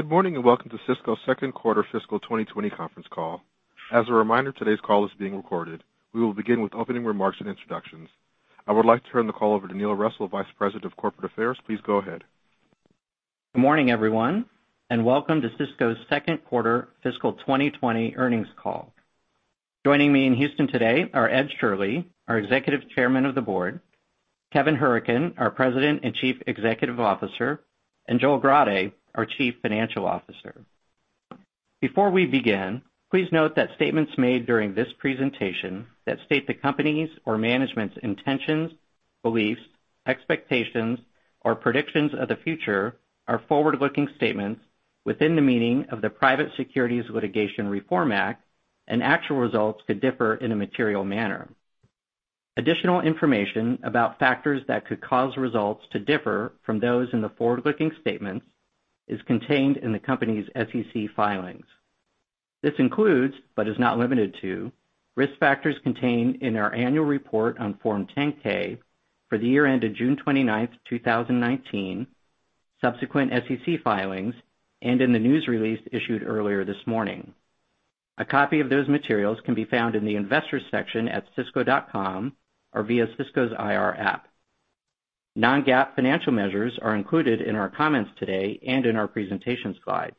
Good morning, and welcome to Sysco's second quarter fiscal 2020 conference call. As a reminder, today's call is being recorded. We will begin with opening remarks and introductions. I would like to turn the call over to Neil Russell, Vice President of Corporate Affairs. Please go ahead. Good morning, everyone, and welcome to Sysco's second quarter fiscal 2020 earnings call. Joining me in Houston today are Ed Shirley, our Executive Chairman of the Board, Kevin Hourican, our President and Chief Executive Officer, and Joel Grade, our Chief Financial Officer. Before we begin, please note that statements made during this presentation that state the company's or management's intentions, beliefs, expectations, or predictions of the future are forward-looking statements within the meaning of the Private Securities Litigation Reform Act, and actual results could differ in a material manner. Additional information about factors that could cause results to differ from those in the forward-looking statements is contained in the company's SEC filings. This includes, but is not limited to, risk factors contained in our annual report on Form 10-K for the year ended June 29th, 2019, subsequent SEC filings, and in the news release issued earlier this morning. A copy of those materials can be found in the investors section at sysco.com or via Sysco's IR app. Non-GAAP financial measures are included in our comments today and in our presentation slides.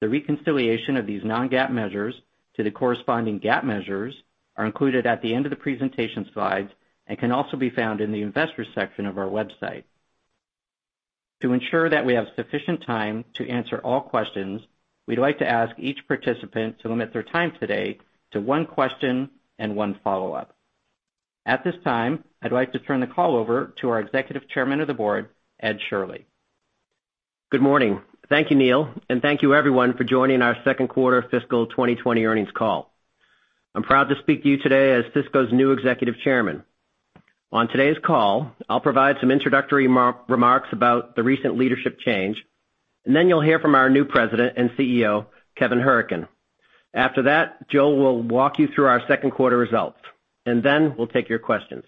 The reconciliation of these non-GAAP measures to the corresponding GAAP measures are included at the end of the presentation slides and can also be found in the investors section of our website. To ensure that we have sufficient time to answer all questions, we'd like to ask each participant to limit their time today to one question and one follow-up. At this time, I'd like to turn the call over to our Executive Chairman of the Board, Ed Shirley. Good morning. Thank you, Neil, thank you everyone for joining our second quarter fiscal 2020 earnings call. I'm proud to speak to you today as Sysco's new Executive Chairman. On today's call, I'll provide some introductory remarks about the recent leadership change. Then you'll hear from our new President and Chief Executive Officer, Kevin Hourican. After that, Joel will walk you through our second quarter results. Then we'll take your questions.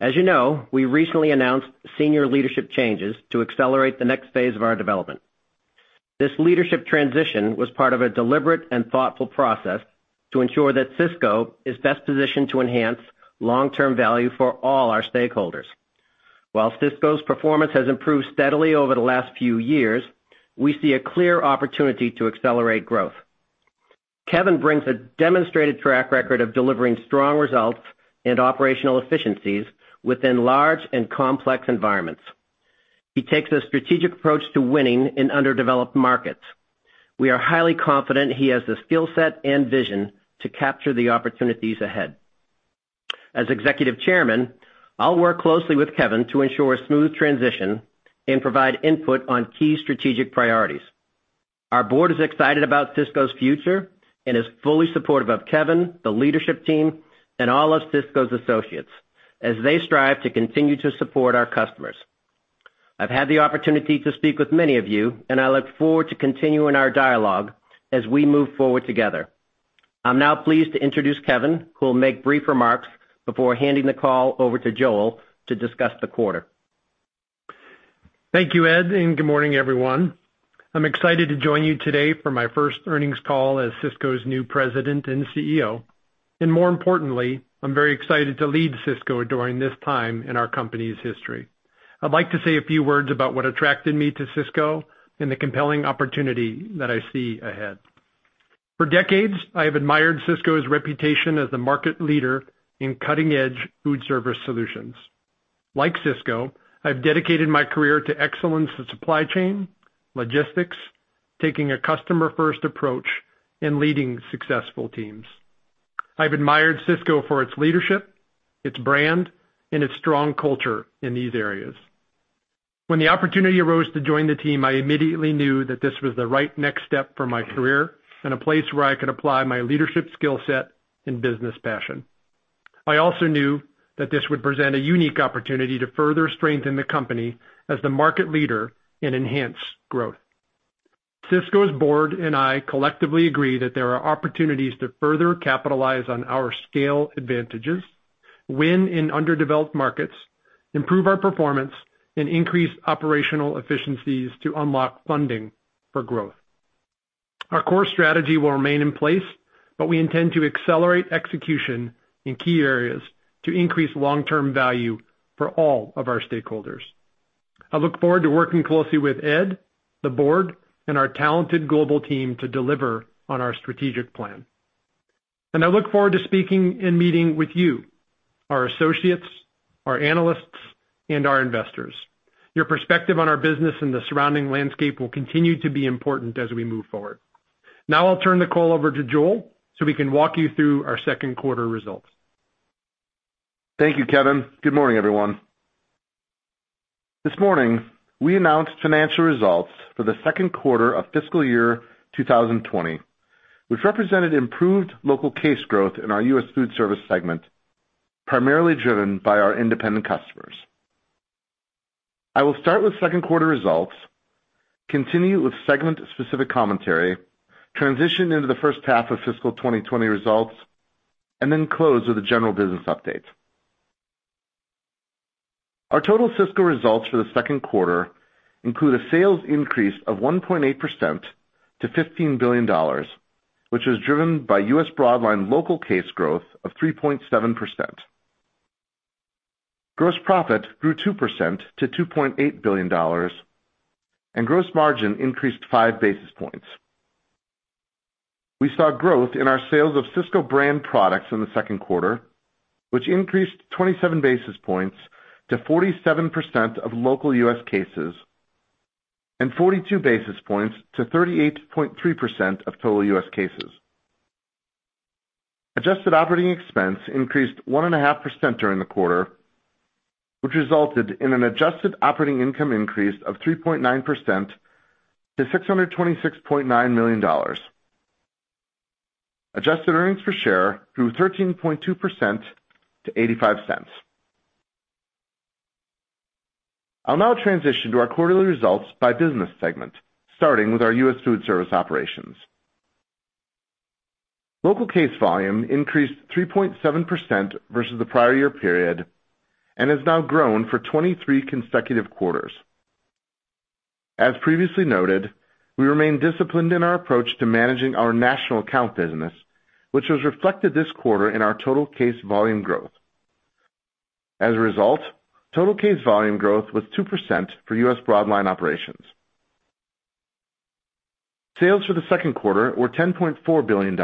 As you know, we recently announced senior leadership changes to accelerate the next phase of our development. This leadership transition was part of a deliberate and thoughtful process to ensure that Sysco is best positioned to enhance long-term value for all our stakeholders. While Sysco's performance has improved steadily over the last few years, we see a clear opportunity to accelerate growth. Kevin brings a demonstrated track record of delivering strong results and operational efficiencies within large and complex environments. He takes a strategic approach to winning in underdeveloped markets. We are highly confident he has the skill set and vision to capture the opportunities ahead. As Executive Chairman, I'll work closely with Kevin to ensure a smooth transition and provide input on key strategic priorities. Our board is excited about Sysco's future and is fully supportive of Kevin, the leadership team, and all of Sysco's associates as they strive to continue to support our customers. I've had the opportunity to speak with many of you, and I look forward to continuing our dialogue as we move forward together. I'm now pleased to introduce Kevin, who will make brief remarks before handing the call over to Joel to discuss the quarter. Thank you, Ed, and good morning, everyone. I'm excited to join you today for my first earnings call as Sysco's new President and CEO. More importantly, I'm very excited to lead Sysco during this time in our company's history. I'd like to say a few words about what attracted me to Sysco and the compelling opportunity that I see ahead. For decades, I have admired Sysco's reputation as the market leader in cutting-edge foodservice solutions. Like Sysco, I've dedicated my career to excellence in supply chain, logistics, taking a customer-first approach, and leading successful teams. I've admired Sysco for its leadership, its brand, and its strong culture in these areas. When the opportunity arose to join the team, I immediately knew that this was the right next step for my career and a place where I could apply my leadership skill set and business passion. I also knew that this would present a unique opportunity to further strengthen the company as the market leader and enhance growth. Sysco's board and I collectively agree that there are opportunities to further capitalize on our scale advantages, win in underdeveloped markets, improve our performance, and increase operational efficiencies to unlock funding for growth. Our core strategy will remain in place, but we intend to accelerate execution in key areas to increase long-term value for all of our stakeholders. I look forward to working closely with Ed, the board, and our talented global team to deliver on our strategic plan. I look forward to speaking and meeting with you, our associates, our analysts, and our investors. Your perspective on our business and the surrounding landscape will continue to be important as we move forward. Now I'll turn the call over to Joel so we can walk you through our second quarter results. Thank you, Kevin. Good morning, everyone. This morning, we announced financial results for the second quarter of fiscal year 2020, which represented improved local case growth in our U.S. Foodservice segment, primarily driven by our independent customers. I will start with second quarter results, continue with segment specific commentary, transition into the first half of fiscal 2020 results, and then close with a general business update. Our total Sysco results for the second quarter include a sales increase of 1.8% to $15 billion, which was driven by U.S. Broadline local case growth of 3.7%. Gross profit grew 2% to $2.8 billion and gross margin increased 5 basis points. We saw growth in our sales of Sysco brand products in the second quarter, which increased 27 basis points to 47% of local U.S. cases and 42 basis points to 38.3% of total U.S. cases. Adjusted operating expense increased 1.5% during the quarter, which resulted in an adjusted operating income increase of 3.9% to $626.9 million. Adjusted earnings per share grew 13.2% to $0.85. I'll now transition to our quarterly results by business segment, starting with our U.S. food service operations. Local case volume increased 3.7% versus the prior year period and has now grown for 23 consecutive quarters. As previously noted, we remain disciplined in our approach to managing our national account business, which was reflected this quarter in our total case volume growth. As a result, total case volume growth was 2% for U.S. Broadline operations. Sales for the second quarter were $10.4 billion,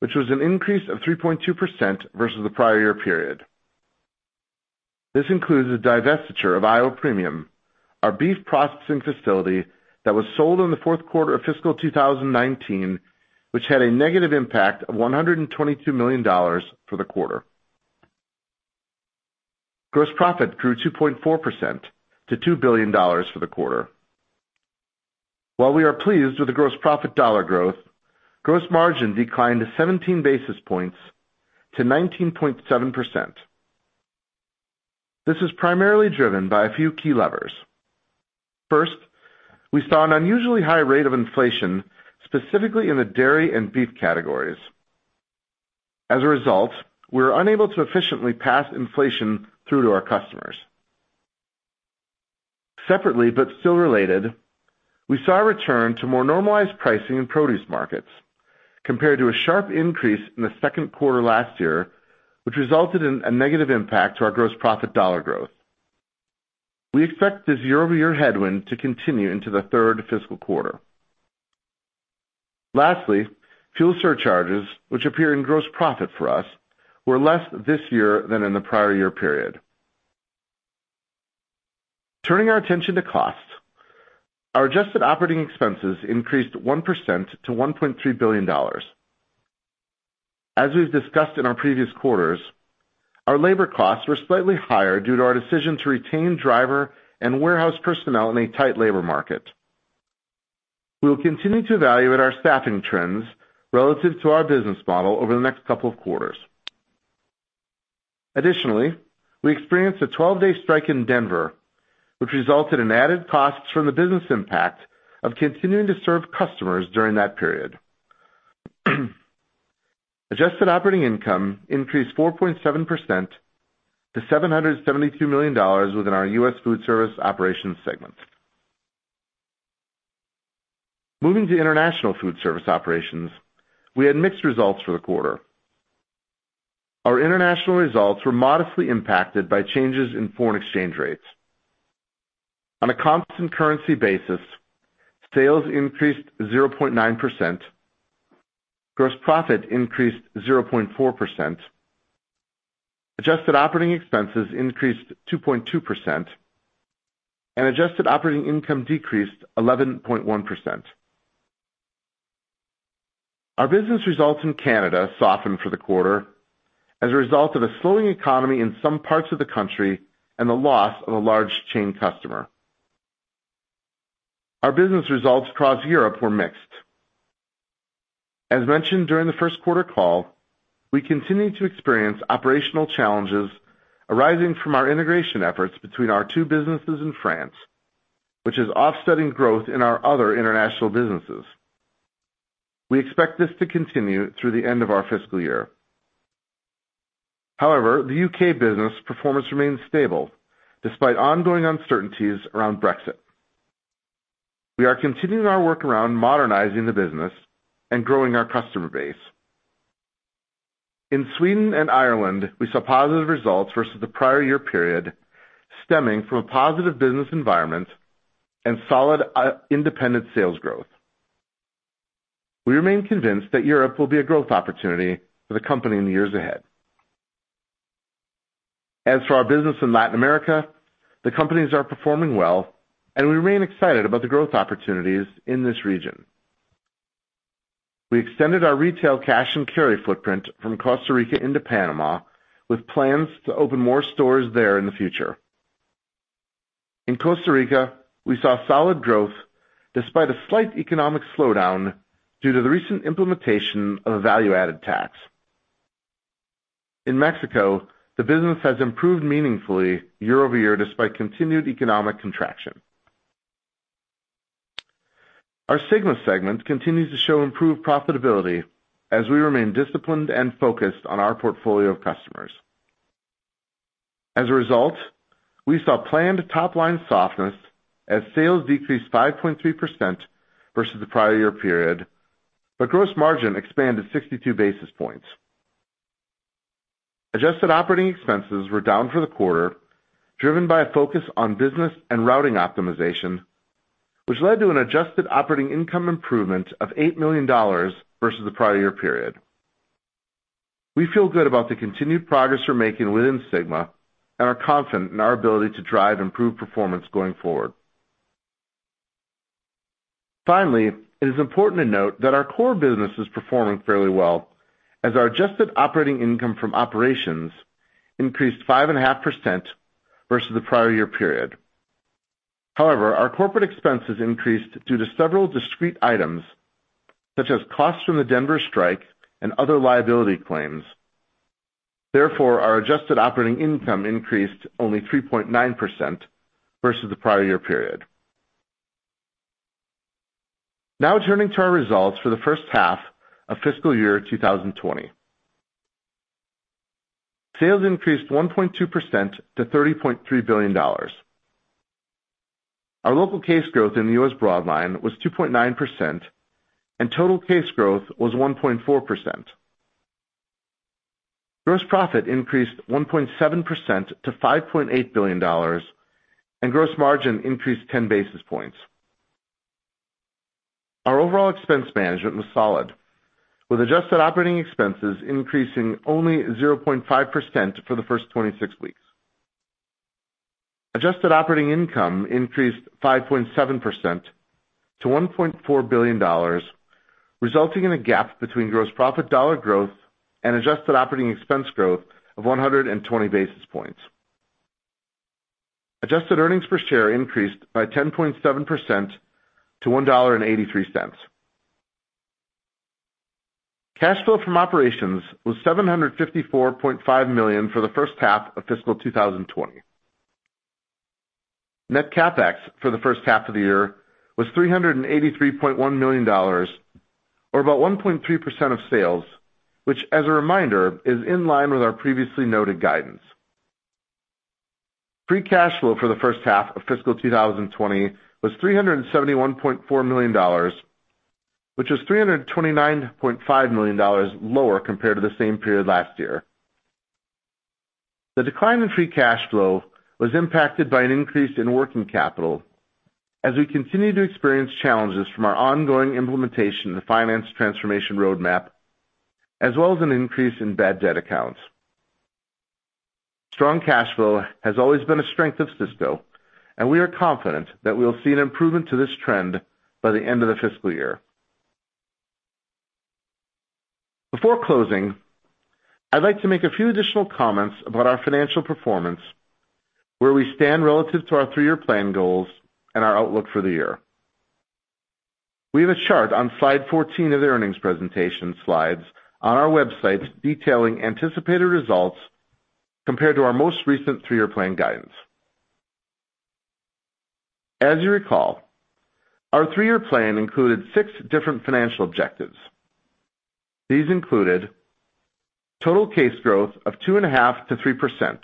which was an increase of 3.2% versus the prior year period. This includes the divestiture of Iowa Premium, our beef processing facility that was sold in the fourth quarter of fiscal 2019, which had a negative impact of $122 million for the quarter. Gross profit grew 2.4% to $2 billion for the quarter. While we are pleased with the gross profit dollar growth, gross margin declined 17 basis points to 19.7%. This is primarily driven by a few key levers. First, we saw an unusually high rate of inflation, specifically in the dairy and beef categories. We were unable to efficiently pass inflation through to our customers. Separately, but still related, we saw a return to more normalized pricing in produce markets compared to a sharp increase in the second quarter last year, which resulted in a negative impact to our gross profit dollar growth. We expect this year-over-year headwind to continue into the third fiscal quarter. Fuel surcharges, which appear in gross profit for us, were less this year than in the prior year period. Turning our attention to costs, our adjusted operating expenses increased 1% to $1.3 billion. As we've discussed in our previous quarters, our labor costs were slightly higher due to our decision to retain driver and warehouse personnel in a tight labor market. We will continue to evaluate our staffing trends relative to our business model over the next couple of quarters. Additionally, we experienced a 12-day strike in Denver, which resulted in added costs from the business impact of continuing to serve customers during that period. Adjusted operating income increased 4.7% to $772 million within our U.S. Foodservice Operations segment. Moving to International Foodservice Operations, we had mixed results for the quarter. Our international results were modestly impacted by changes in foreign exchange rates. On a constant currency basis, sales increased 0.9%, gross profit increased 0.4%, adjusted operating expenses increased 2.2%, and adjusted operating income decreased 11.1%. Our business results in Canada softened for the quarter as a result of a slowing economy in some parts of the country and the loss of a large chain customer. Our business results across Europe were mixed. As mentioned during the first quarter call, we continue to experience operational challenges arising from our integration efforts between our two businesses in France, which is offsetting growth in our other international businesses. We expect this to continue through the end of our fiscal year. However, the U.K. business performance remains stable despite ongoing uncertainties around Brexit. We are continuing our work around modernizing the business and growing our customer base. In Sweden and Ireland, we saw positive results versus the prior year period, stemming from a positive business environment and solid independent sales growth. We remain convinced that Europe will be a growth opportunity for the company in the years ahead. As for our business in Latin America, the companies are performing well and we remain excited about the growth opportunities in this region. We extended our retail cash and carry footprint from Costa Rica into Panama, with plans to open more stores there in the future. In Costa Rica, we saw solid growth despite a slight economic slowdown due to the recent implementation of a value-added tax. In Mexico, the business has improved meaningfully year-over-year despite continued economic contraction. Our SYGMA segment continues to show improved profitability as we remain disciplined and focused on our portfolio of customers. As a result, we saw planned top-line softness as sales decreased 5.3% versus the prior year period, but gross margin expanded 62 basis points. Adjusted operating expenses were down for the quarter, driven by a focus on business and routing optimization, which led to an adjusted operating income improvement of $8 million versus the prior year period. We feel good about the continued progress we're making within SYGMA and are confident in our ability to drive improved performance going forward. Our corporate expenses increased due to several discrete items, such as costs from the Denver strike and other liability claims. Our adjusted operating income increased only 3.9% versus the prior year period. Turning to our results for the first half of fiscal year 2020. Sales increased 1.2% to $30.3 billion. Our local case growth in the U.S. Broadline was 2.9%, and total case growth was 1.4%. Gross profit increased 1.7% to $5.8 billion, and gross margin increased 10 basis points. Our overall expense management was solid, with adjusted operating expenses increasing only 0.5% for the first 26 weeks. Adjusted operating income increased 5.7% to $1.4 billion, resulting in a gap between gross profit dollar growth and adjusted operating expense growth of 120 basis points. Adjusted earnings per share increased by 10.7% to $1.83. Cash flow from operations was $754.5 million for the first half of fiscal 2020. Net CapEx for the first half of the year was $383.1 million, or about 1.3% of sales, which, as a reminder, is in line with our previously noted guidance. Free cash flow for the first half of fiscal 2020 was $371.4 million, which was $329.5 million lower compared to the same period last year. The decline in free cash flow was impacted by an increase in working capital as we continue to experience challenges from our ongoing implementation of the finance transformation roadmap, as well as an increase in bad debt accounts. Strong cash flow has always been a strength of Sysco, and we are confident that we'll see an improvement to this trend by the end of the fiscal year. Before closing, I'd like to make a few additional comments about our financial performance, where we stand relative to our three-year plan goals and our outlook for the year. We have a chart on slide 14 of the earnings presentation slides on our websites detailing anticipated results compared to our most recent three-year plan guidance. As you recall, our three-year plan included six different financial objectives. These included total case growth of 2.5% to 3%,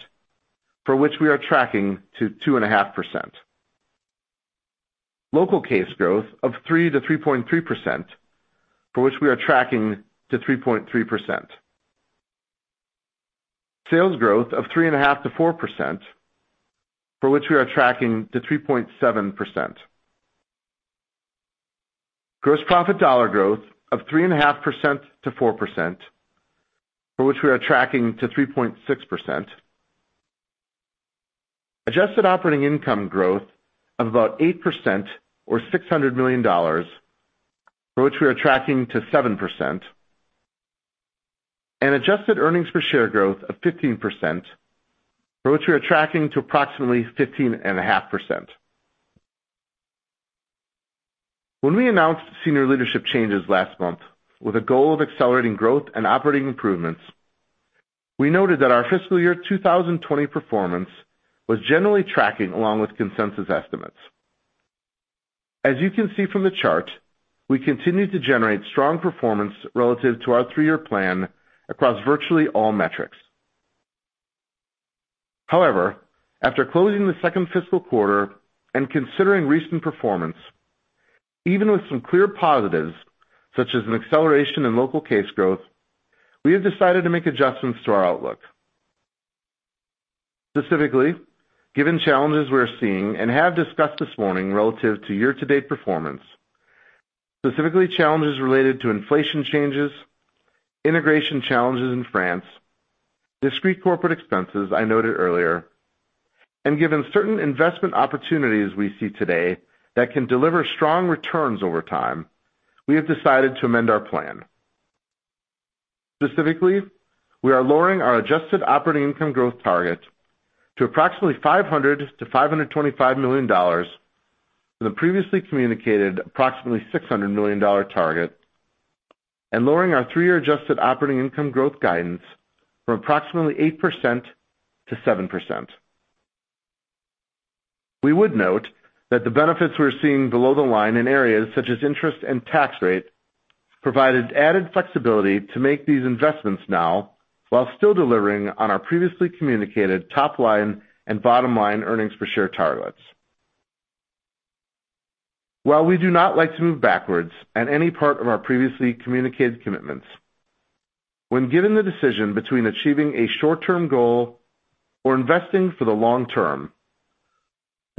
for which we are tracking to 2.5%. Local case growth of 3%-3.3%, for which we are tracking to 3.3%. Sales growth of 3.5%-4%, for which we are tracking to 3.7%. Gross profit dollar growth of 3.5%-4%, for which we are tracking to 3.6%. Adjusted operating income growth of about 8% or $600 million, for which we are tracking to 7%. Adjusted earnings per share growth of 15%, for which we are tracking to approximately 15.5%. When we announced senior leadership changes last month with a goal of accelerating growth and operating improvements, we noted that our fiscal year 2020 performance was generally tracking along with consensus estimates. As you can see from the chart, we continue to generate strong performance relative to our three-year plan across virtually all metrics. However, after closing the second fiscal quarter and considering recent performance, even with some clear positives, such as an acceleration in local case growth, we have decided to make adjustments to our outlook. Specifically, given challenges we're seeing and have discussed this morning relative to year-to-date performance, specifically challenges related to inflation changes, integration challenges in France, discrete corporate expenses I noted earlier, and given certain investment opportunities we see today that can deliver strong returns over time, we have decided to amend our plan. Specifically, we are lowering our adjusted operating income growth target to approximately $500 million-$525 million for the previously communicated $600 million target, and lowering our three-year adjusted operating income growth guidance from approximately 8%-7%. We would note that the benefits we're seeing below the line in areas such as interest and tax rate, provided added flexibility to make these investments now while still delivering on our previously communicated top-line and bottom-line earnings per share targets. While we do not like to move backwards at any part of our previously communicated commitments, when given the decision between achieving a short-term goal or investing for the long term,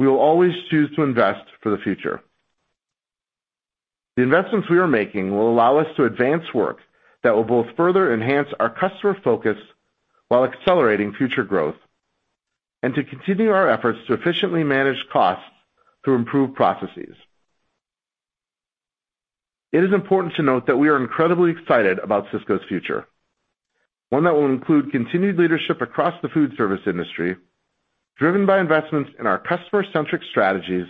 we will always choose to invest for the future. The investments we are making will allow us to advance work that will both further enhance our customer focus while accelerating future growth, and to continue our efforts to efficiently manage costs through improved processes. It is important to note that we are incredibly excited about Sysco's future. One that will include continued leadership across the foodservice industry, driven by investments in our customer-centric strategies,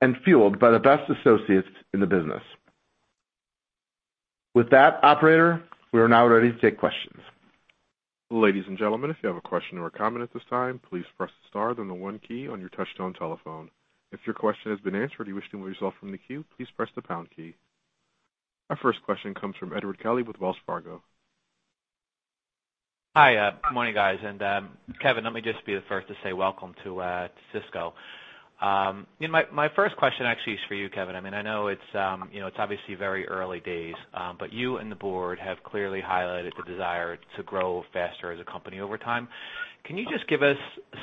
and fueled by the best associates in the business. With that, operator, we are now ready to take questions. Ladies and gentlemen, if you have a question or a comment at this time, please press star, then the one key on your touch-tone telephone. If your question has been answered or you wish to withdraw yourself from the queue, please press the pound key. Our first question comes from Edward Kelly with Wells Fargo. Hi. Good morning, guys. Kevin, let me just be the first to say welcome to Sysco. My first question actually is for you, Kevin. I know it's obviously very early days, but you and the board have clearly highlighted the desire to grow faster as a company over time. Can you just give us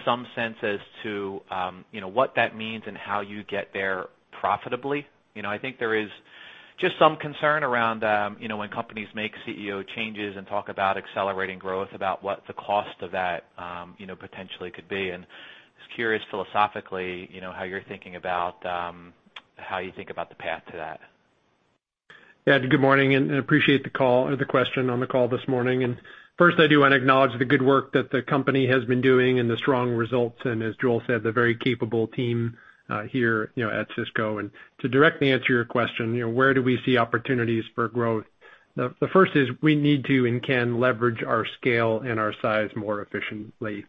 some sense as to what that means and how you get there profitably? I think there is just some concern around when companies make CEO changes and talk about accelerating growth, about what the cost of that potentially could be, and was curious philosophically, how you think about the path to that. Ed, good morning, and appreciate the question on the call this morning. First, I do want to acknowledge the good work that the company has been doing and the strong results, and as Joel said, the very capable team here at Sysco. To directly answer your question, where do we see opportunities for growth? The first is we need to and can leverage our scale and our size more efficiently.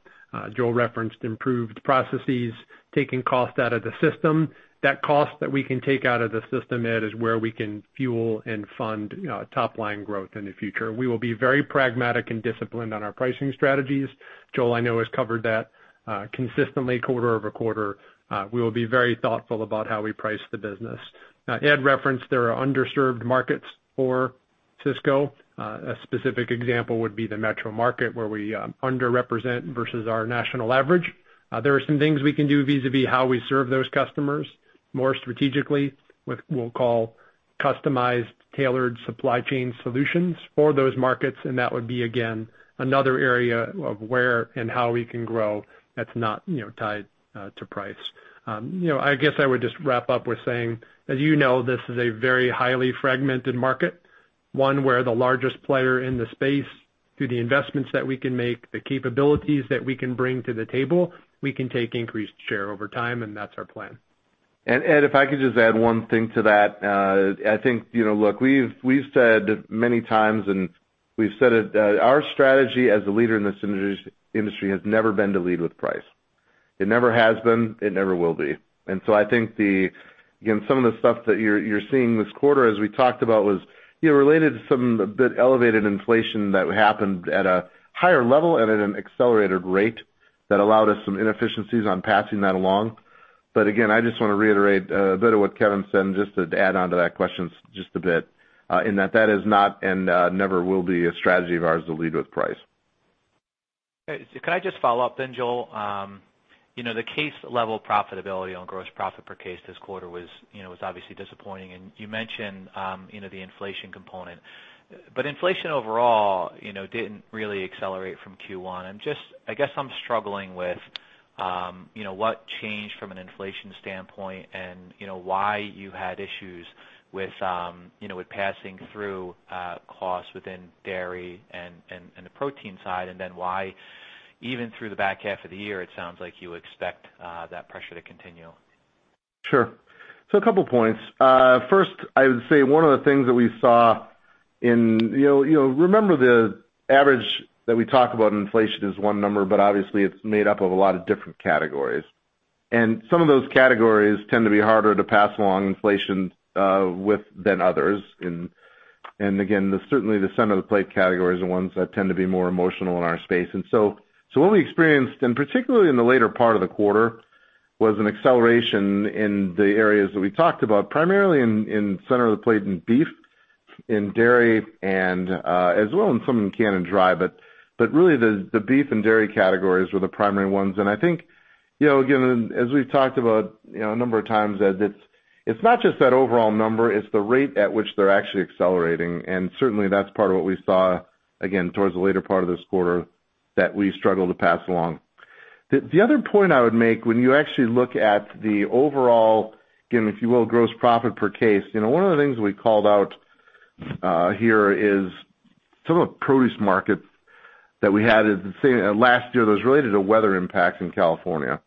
Joel referenced improved processes, taking cost out of the system. That cost that we can take out of the system, Ed, is where we can fuel and fund top-line growth in the future. We will be very pragmatic and disciplined on our pricing strategies. Joel, I know, has covered that consistently quarter-over-quarter. We will be very thoughtful about how we price the business. Ed referenced there are underserved markets for Sysco. A specific example would be the metro market, where we under-represent versus our national average. There are some things we can do vis-a-vis how we serve those customers more strategically with what we'll call customized, tailored supply chain solutions for those markets. That would be, again, another area of where and how we can grow that's not tied to price. I guess I would just wrap up with saying, as you know, this is a very highly fragmented market. One where the largest player in the space, through the investments that we can make, the capabilities that we can bring to the table, we can take increased share over time, and that's our plan. Ed, if I could just add one thing to that. I think, look, we've said many times and we've said it that our strategy as a leader in this industry has never been to lead with price. It never has been, it never will be. I think some of the stuff that you're seeing this quarter, as we talked about, was related to some of the elevated inflation that happened at a higher level and at an accelerated rate that allowed us some inefficiencies on passing that along. Again, I just want to reiterate a bit of what Kevin said, and just to add onto that question just a bit, in that is not and never will be a strategy of ours to lead with price. Could I just follow up, Joel? The case level profitability on gross profit per case this quarter was obviously disappointing. You mentioned the inflation component. Inflation overall didn't really accelerate from Q1. I guess I'm struggling with what changed from an inflation standpoint and why you had issues with passing through costs within dairy and the protein side, and then why even through the back half of the year, it sounds like you expect that pressure to continue? Sure. A couple points. First, I would say one of the things that we saw. Remember the average that we talk about inflation is one number, but obviously it's made up of a lot of different categories. Some of those categories tend to be harder to pass along inflation with than others. Again, certainly the center of the plate categories are ones that tend to be more emotional in our space. What we experienced, and particularly in the later part of the quarter, was an acceleration in the areas that we talked about, primarily in center of the plate, in beef, in dairy, and as well in some canned and dry. Really the beef and dairy categories were the primary ones. I think, again, as we've talked about a number of times, it's not just that overall number, it's the rate at which they're actually accelerating. Certainly that's part of what we saw, again, towards the later part of this quarter that we struggled to pass along. The other point I would make when you actually look at the overall, if you will, gross profit per case, one of the things we called out here is some of the produce markets that we had last year that was related to weather impacts in California.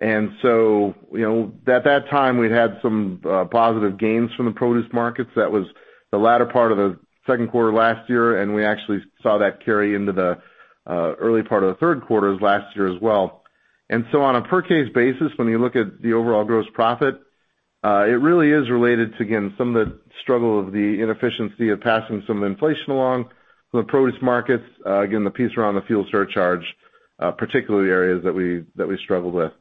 At that time, we'd had some positive gains from the produce markets. That was the latter part of the second quarter last year, and we actually saw that carry into the early part of the third quarters last year as well. On a per case basis, when you look at the overall gross profit, it really is related to, again, some of the struggle of the inefficiency of passing some inflation along the produce markets. Again, the piece around the fuel surcharge, particularly areas that we struggled with.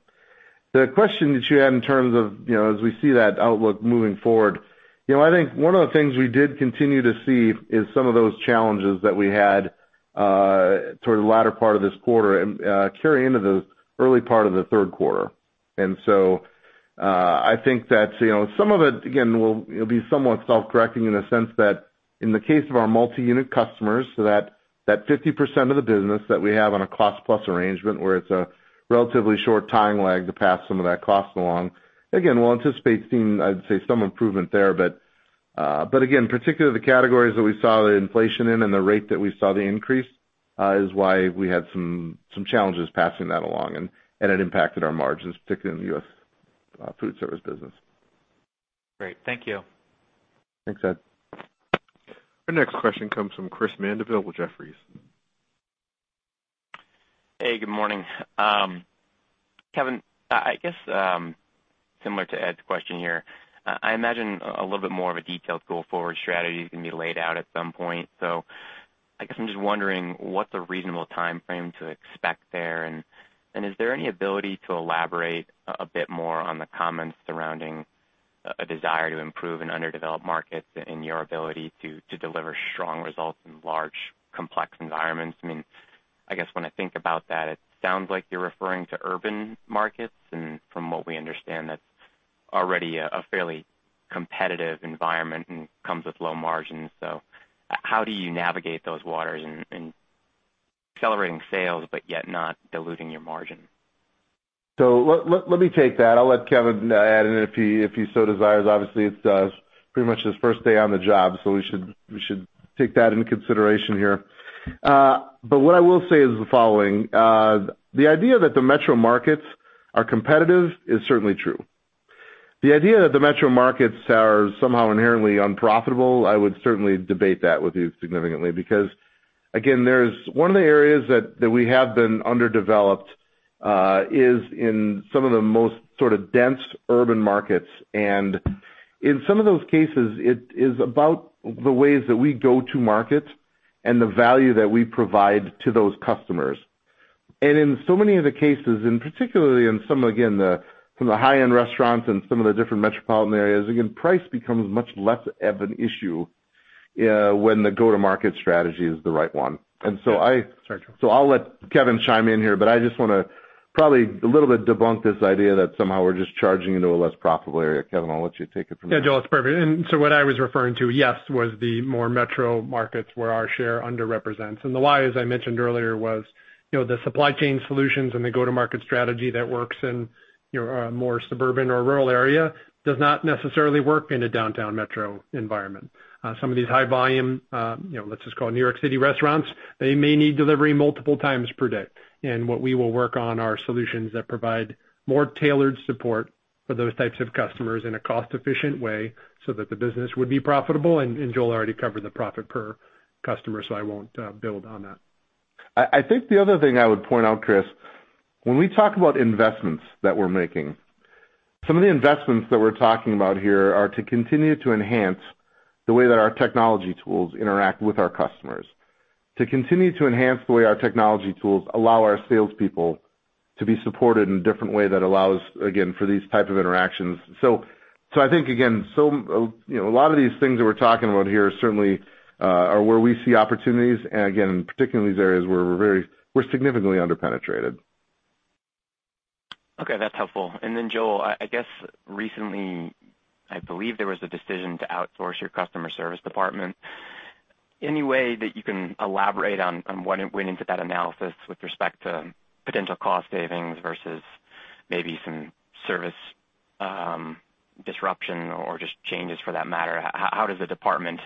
The question that you had in terms of as we see that outlook moving forward, I think one of the things we did continue to see is some of those challenges that we had toward the latter part of this quarter carry into the early part of the third quarter. I think that some of it, again, will be somewhat self-correcting in the sense that in the case of our multi-unit customers, so that 50% of the business that we have on a cost-plus arrangement, where it's a relatively short time lag to pass some of that cost along, again, we'll anticipate seeing, I'd say, some improvement there. Particularly the categories that we saw the inflation in and the rate that we saw the increase, is why we had some challenges passing that along, and it impacted our margins, particularly in the U.S. Foodservice business. Great. Thank you. Thanks, Ed. Our next question comes from Chris Mandeville with Jefferies. Hey, good morning. Kevin, I guess, similar to Ed's question here, I imagine a little bit more of a detailed go forward strategy is going to be laid out at some point. I guess I'm just wondering, what's a reasonable timeframe to expect there, and is there any ability to elaborate a bit more on the comments surrounding a desire to improve in underdeveloped markets and your ability to deliver strong results in large, complex environments? I guess when I think about that, it sounds like you're referring to urban markets, and from what we understand, that's already a fairly competitive environment and comes with low margins. How do you navigate those waters in accelerating sales, but yet not diluting your margin? Let me take that. I'll let Kevin add in if he so desires. Obviously, it's pretty much his first day on the job, so we should take that into consideration here. What I will say is the following. The idea that the metro markets are competitive is certainly true. The idea that the metro markets are somehow inherently unprofitable, I would certainly debate that with you significantly, because, again, one of the areas that we have been underdeveloped is in some of the most sort of dense urban markets. In some of those cases, it is about the ways that we go-to-market and the value that we provide to those customers. In so many of the cases, and particularly in some of, again, from the high-end restaurants and some of the different metropolitan areas, again, price becomes much less of an issue, when the go-to-market strategy is the right one. Sorry, Joel. I'll let Kevin chime in here, but I just want to probably a little bit debunk this idea that somehow we're just charging into a less profitable area. Kevin, I'll let you take it from here. Yeah, Joel, that's perfect. What I was referring to, yes, was the more metro markets where our share underrepresents. The why, as I mentioned earlier, was the supply chain solutions and the go-to-market strategy that works in a more suburban or rural area does not necessarily work in a downtown metro environment. Some of these high volume, let's just call it New York City restaurants, they may need delivery multiple times per day. What we will work on are solutions that provide more tailored support for those types of customers in a cost-efficient way, so that the business would be profitable. Joel already covered the profit per customer, so I won't build on that. I think the other thing I would point out, Chris, when we talk about investments that we're making, some of the investments that we're talking about here are to continue to enhance the way that our technology tools interact with our customers. To continue to enhance the way our technology tools allow our salespeople to be supported in a different way that allows, again, for these type of interactions. I think, again, a lot of these things that we're talking about here certainly are where we see opportunities, and again, particularly in these areas where we're significantly under-penetrated. Okay, that's helpful. Joel, I guess recently, I believe there was a decision to outsource your customer service department. Any way that you can elaborate on what went into that analysis with respect to potential cost savings versus maybe some service disruption or just changes for that matter? How does the department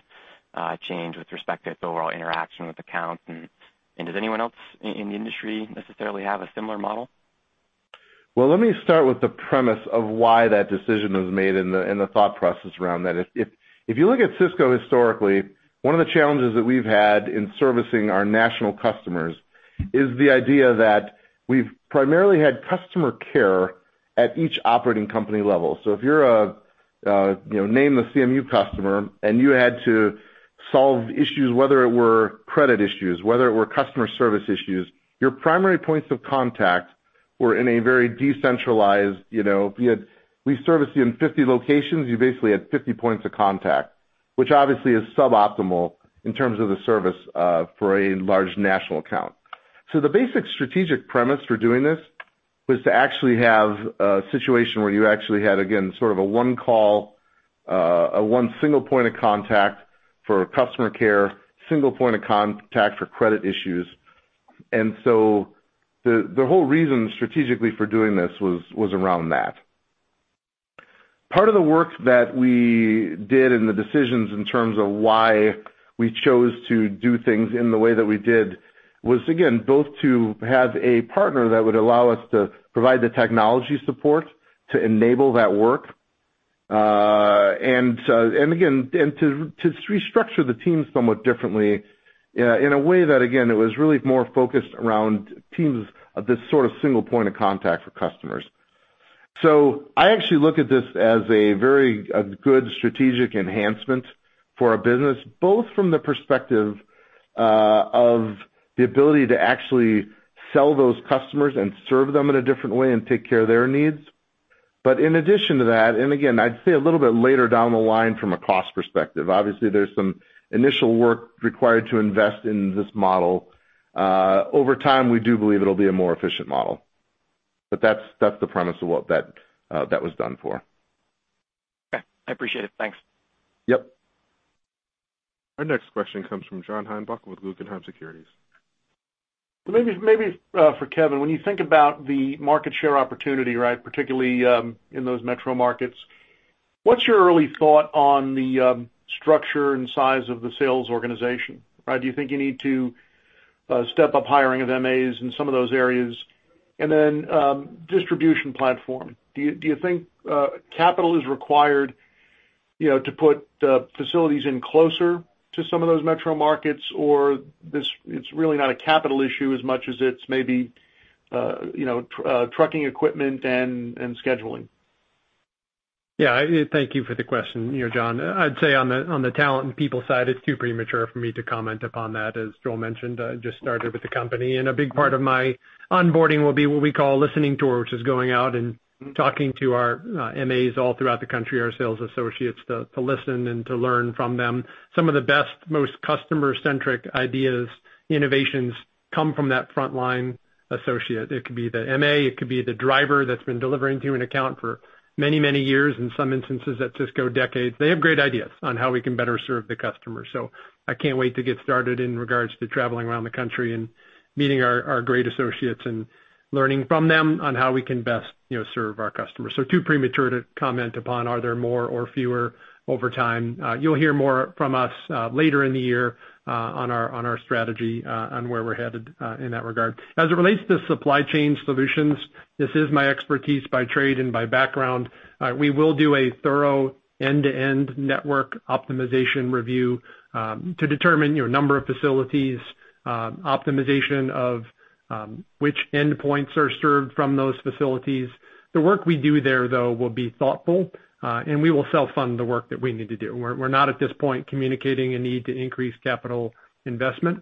change with respect to its overall interaction with accounts, and does anyone else in the industry necessarily have a similar model? Let me start with the premise of why that decision was made and the thought process around that. If you look at Sysco historically, one of the challenges that we've had in servicing our national customers is the idea that we've primarily had customer care at each operating company level. If you're a nameless CMU customer and you had to solve issues, whether it were credit issues, whether it were customer service issues, your primary points of contact were in a very decentralized way. If we service you in 50 locations, you basically had 50 points of contact, which obviously is suboptimal in terms of the service for a large national account. The basic strategic premise for doing this was to actually have a situation where you actually had, again, sort of a one call, a one single point of contact for customer care, single point of contact for credit issues. The whole reason strategically for doing this was around that. Part of the work that we did and the decisions in terms of why we chose to do things in the way that we did was, again, both to have a partner that would allow us to provide the technology support to enable that work. Again, to restructure the teams somewhat differently in a way that, again, it was really more focused around teams of this sort of single point of contact for customers. I actually look at this as a very good strategic enhancement for our business, both from the perspective of the ability to actually sell those customers and serve them in a different way and take care of their needs. In addition to that, and again, I'd say a little bit later down the line from a cost perspective, obviously there's some initial work required to invest in this model. Over time, we do believe it'll be a more efficient model. That's the premise of what that was done for. Okay, I appreciate it. Thanks. Yep. Our next question comes from John Heinbockel with Guggenheim Securities. Maybe for Kevin. When you think about the market share opportunity, particularly in those metro markets, what's your early thought on the structure and size of the sales organization? Do you think you need to step up hiring of MAs in some of those areas? Then distribution platform, do you think capital is required to put facilities in closer to some of those metro markets? Or it's really not a capital issue as much as it's maybe trucking equipment and scheduling? Yeah. Thank you for the question, John. I'd say on the talent and people side, it's too premature for me to comment upon that. As Joel mentioned, I just started with the company, and a big part of my onboarding will be what we call listening tour, which is going out and talking to our MAs all throughout the country, our sales associates, to listen and to learn from them. Some of the best, most customer-centric ideas, innovations come from that frontline associate. It could be the MA, it could be the driver that's been delivering to an account for many, many years, in some instances at Sysco, decades. They have great ideas on how we can better serve the customer. I can't wait to get started in regards to traveling around the country and meeting our great associates and learning from them on how we can best serve our customers. Too premature to comment upon are there more or fewer over time. You'll hear more from us later in the year on our strategy on where we're headed in that regard. As it relates to supply chain solutions, this is my expertise by trade and by background. We will do a thorough end-to-end network optimization review to determine your number of facilities, optimization of which endpoints are served from those facilities. The work we do there, though, will be thoughtful, and we will self-fund the work that we need to do. We're not at this point communicating a need to increase capital investment.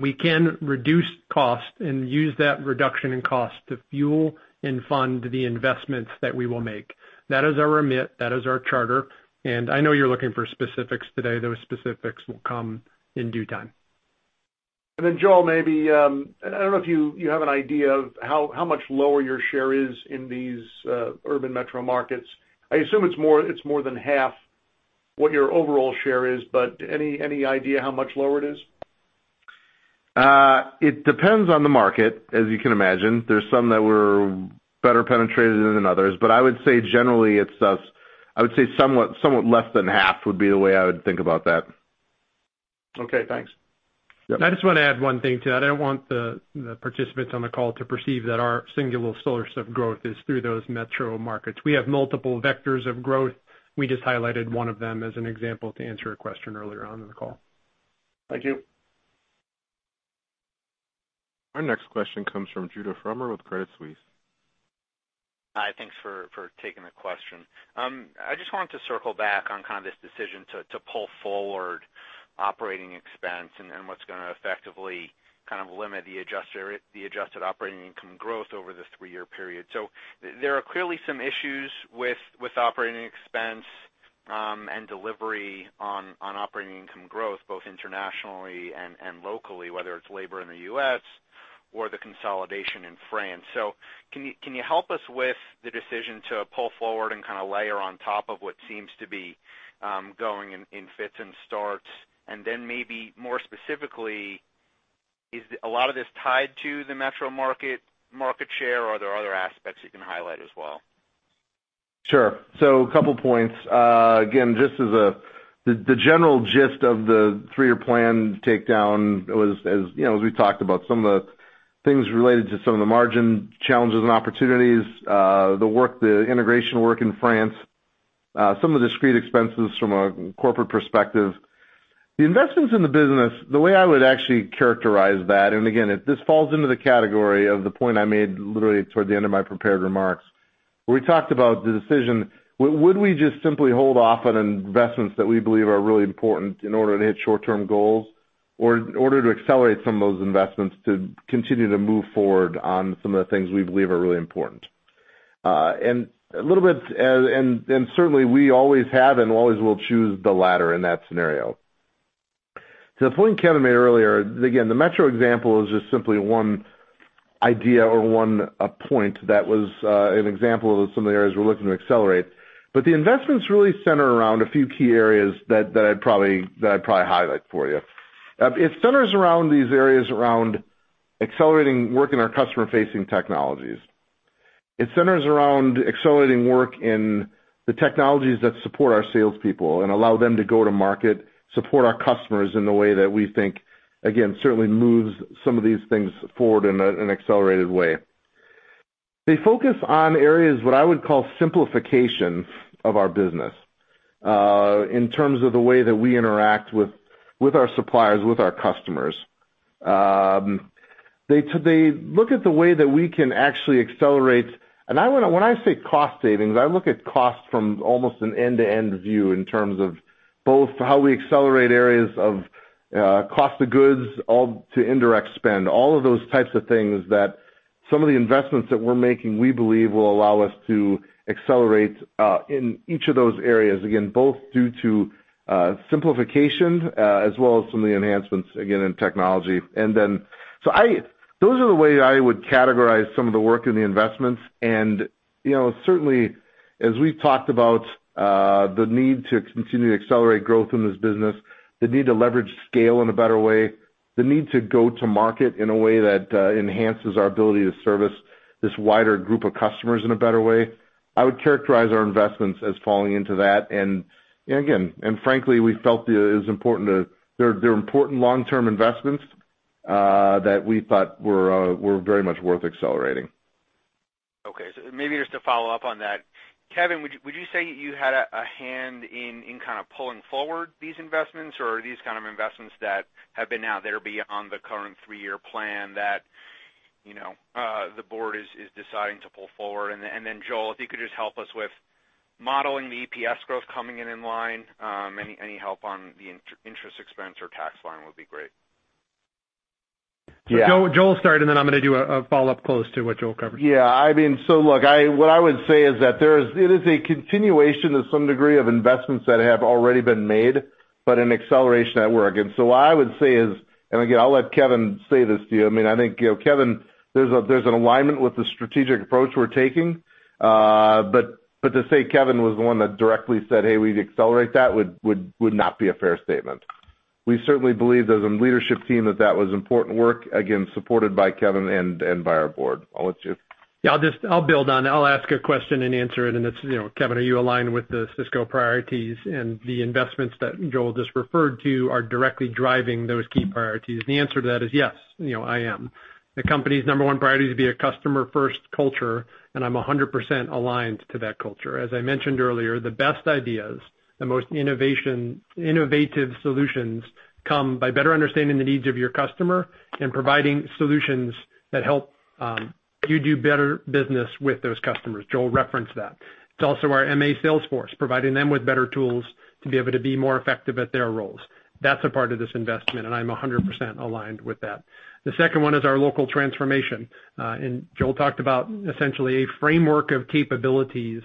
We can reduce cost and use that reduction in cost to fuel and fund the investments that we will make. That is our remit. That is our charter. I know you're looking for specifics today. Those specifics will come in due time. Joel, maybe, I don't know if you have an idea of how much lower your share is in these urban metro markets. I assume it's more than half what your overall share is, but any idea how much lower it is? It depends on the market, as you can imagine. There's some that we're better penetrated in than others. I would say generally, I would say somewhat less than half would be the way I would think about that. Okay, thanks. I just want to add one thing to that. I don't want the participants on the call to perceive that our singular source of growth is through those metro markets. We have multiple vectors of growth. We just highlighted one of them as an example to answer a question earlier on in the call. Thank you. Our next question comes from Judah Frommer with Credit Suisse. Hi, thanks for taking the question. I just wanted to circle back on kind of this decision to pull forward operating expense and what's going to effectively kind of limit the adjusted operating income growth over the three-year period. There are clearly some issues with operating expense and delivery on operating income growth, both internationally and locally, whether it's labor in the U.S. or the consolidation in France. Can you help us with the decision to pull forward and kind of layer on top of what seems to be going in fits and starts? Maybe more specifically, is a lot of this tied to the metro market share, or are there other aspects you can highlight as well? Sure. A couple points. Again, the general gist of the three-year plan takedown was, as we talked about, some of the things related to some of the margin challenges and opportunities, the integration work in France, some of the discrete expenses from a corporate perspective. The investments in the business, the way I would actually characterize that, and again, this falls into the category of the point I made literally toward the end of my prepared remarks, where we talked about the decision, would we just simply hold off on investments that we believe are really important in order to hit short-term goals or in order to accelerate some of those investments to continue to move forward on some of the things we believe are really important? Certainly, we always have and always will choose the latter in that scenario. To the point Kevin made earlier, again, the metro example is just simply one idea or one point that was an example of some of the areas we're looking to accelerate. The investments really center around a few key areas that I'd probably highlight for you. It centers around these areas around accelerating work in our customer-facing technologies. It centers around accelerating work in the technologies that support our salespeople and allow them to go-to-market, support our customers in the way that we think, again, certainly moves some of these things forward in an accelerated way. They focus on areas, what I would call simplification of our business, in terms of the way that we interact with our suppliers, with our customers. They look at the way that we can actually accelerate. When I say cost savings, I look at cost from almost an end-to-end view in terms of both how we accelerate areas of cost of goods all to indirect spend, all of those types of things that some of the investments that we're making, we believe will allow us to accelerate, in each of those areas, again, both due to simplification, as well as some of the enhancements, again, in technology. Those are the way I would categorize some of the work and the investments and certainly, as we've talked about, the need to continue to accelerate growth in this business, the need to leverage scale in a better way, the need to go-to-market in a way that enhances our ability to service this wider group of customers in a better way. I would characterize our investments as falling into that. Frankly, we felt they're important long-term investments, that we thought were very much worth accelerating. Okay. Maybe just to follow up on that, Kevin, would you say you had a hand in kind of pulling forward these investments, or are these kind of investments that have been out there beyond the current three-year plan that the board is deciding to pull forward? Joel, if you could just help us with modeling the EPS growth coming in in line, any help on the interest expense or tax line would be great. Joel will start, and then I'm gonna do a follow-up close to what Joel covered. Yeah. Look, what I would say is that it is a continuation to some degree of investments that have already been made, but an acceleration at work. What I would say is, and again, I'll let Kevin say this to you. I think Kevin, there's an alignment with the strategic approach we're taking. To say Kevin was the one that directly said, "Hey, we need to accelerate that," would not be a fair statement. We certainly believe as a leadership team that that was important work, again, supported by Kevin and by our board. I'll let you Yeah, I'll build on. I'll ask a question and answer it's Kevin, are you aligned with the Sysco priorities and the investments that Joel just referred to are directly driving those key priorities? The answer to that is yes, I am. The company's number one priority is to be a customer-first culture, and I'm 100% aligned to that culture. As I mentioned earlier, the best ideas, the most innovative solutions come by better understanding the needs of your customer and providing solutions that help you do better business with those customers. Joel referenced that. It's also our MA sales force, providing them with better tools to be able to be more effective at their roles. That's a part of this investment, and I'm 100% aligned with that. The second one is our local transformation. Joel talked about essentially a framework of capabilities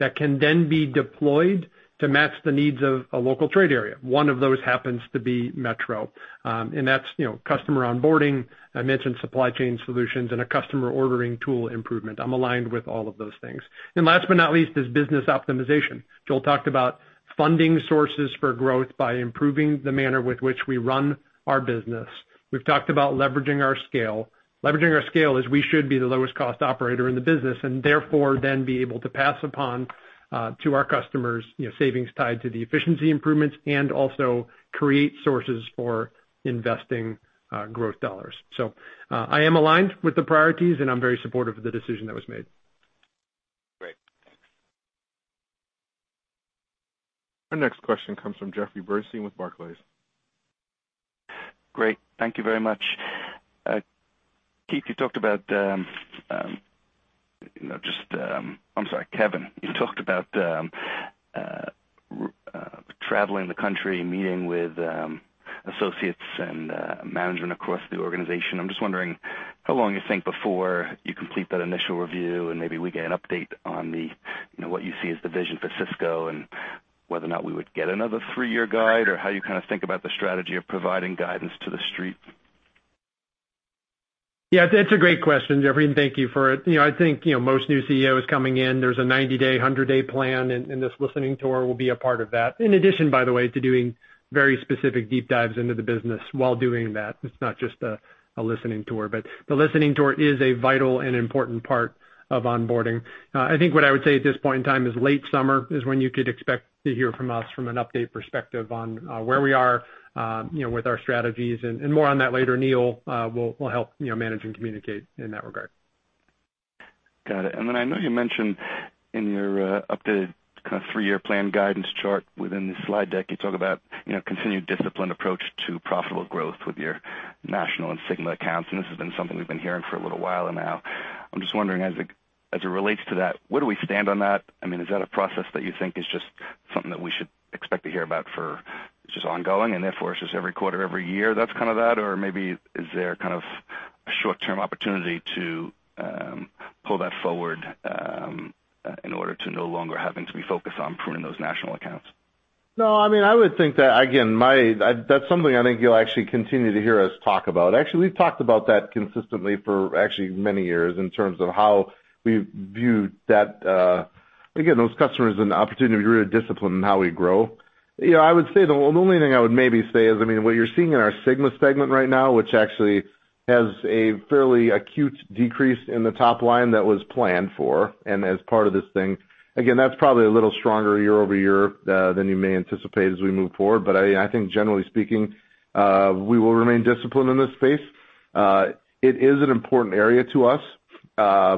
that can then be deployed to match the needs of a local trade area. One of those happens to be Metro, and that's customer onboarding. I mentioned supply chain solutions and a customer ordering tool improvement. I'm aligned with all of those things. Last but not least is business optimization. Joel talked about funding sources for growth by improving the manner with which we run our business. We've talked about leveraging our scale. Leveraging our scale is we should be the lowest cost operator in the business and therefore then be able to pass upon to our customers savings tied to the efficiency improvements and also create sources for investing growth dollars. I am aligned with the priorities, and I'm very supportive of the decision that was made. Great. Thanks. Our next question comes from Jeffrey Bernstein with Barclays. Great. Thank you very much. Keith, I'm sorry, Kevin, you talked about traveling the country, meeting with associates and management across the organization. I'm just wondering how long you think before you complete that initial review and maybe we get an update on what you see as the vision for Sysco and whether or not we would get another three-year guide or how you kind of think about the strategy of providing guidance to the street. Yeah, that's a great question, Jeffrey, and thank you for it. I think, most new CEOs coming in, there's a 90-day, 100-day plan, and this listening tour will be a part of that. In addition, by the way, to doing very specific deep dives into the business while doing that. It's not just a listening tour. The listening tour is a vital and important part of onboarding. I think what I would say at this point in time is late summer is when you could expect to hear from us from an update perspective on where we are with our strategies and more on that later. Neil will help manage and communicate in that regard. Got it. Then I know you mentioned in your updated kind of three-year plan guidance chart within the slide deck, you talk about continued disciplined approach to profitable growth with your national and SYGMA accounts, and this has been something we've been hearing for a little while now. I'm just wondering, as it relates to that, where do we stand on that? Is that a process that you think is just something that we should expect to hear about for just ongoing and therefore it's just every quarter, every year that's kind of that? Maybe is there kind of a short-term opportunity to pull that forward in order to no longer having to be focused on improving those national accounts? No, I would think that, again, that's something I think you'll actually continue to hear us talk about. Actually, we've talked about that consistently for actually many years in terms of how we view that. Again, those customers and the opportunity to be really disciplined in how we grow. The only thing I would maybe say is, what you're seeing in our SYGMA segment right now, which actually has a fairly acute decrease in the top line that was planned for and as part of this thing. Again, that's probably a little stronger year-over-year than you may anticipate as we move forward. I think generally speaking, we will remain disciplined in this space. It is an important area to us,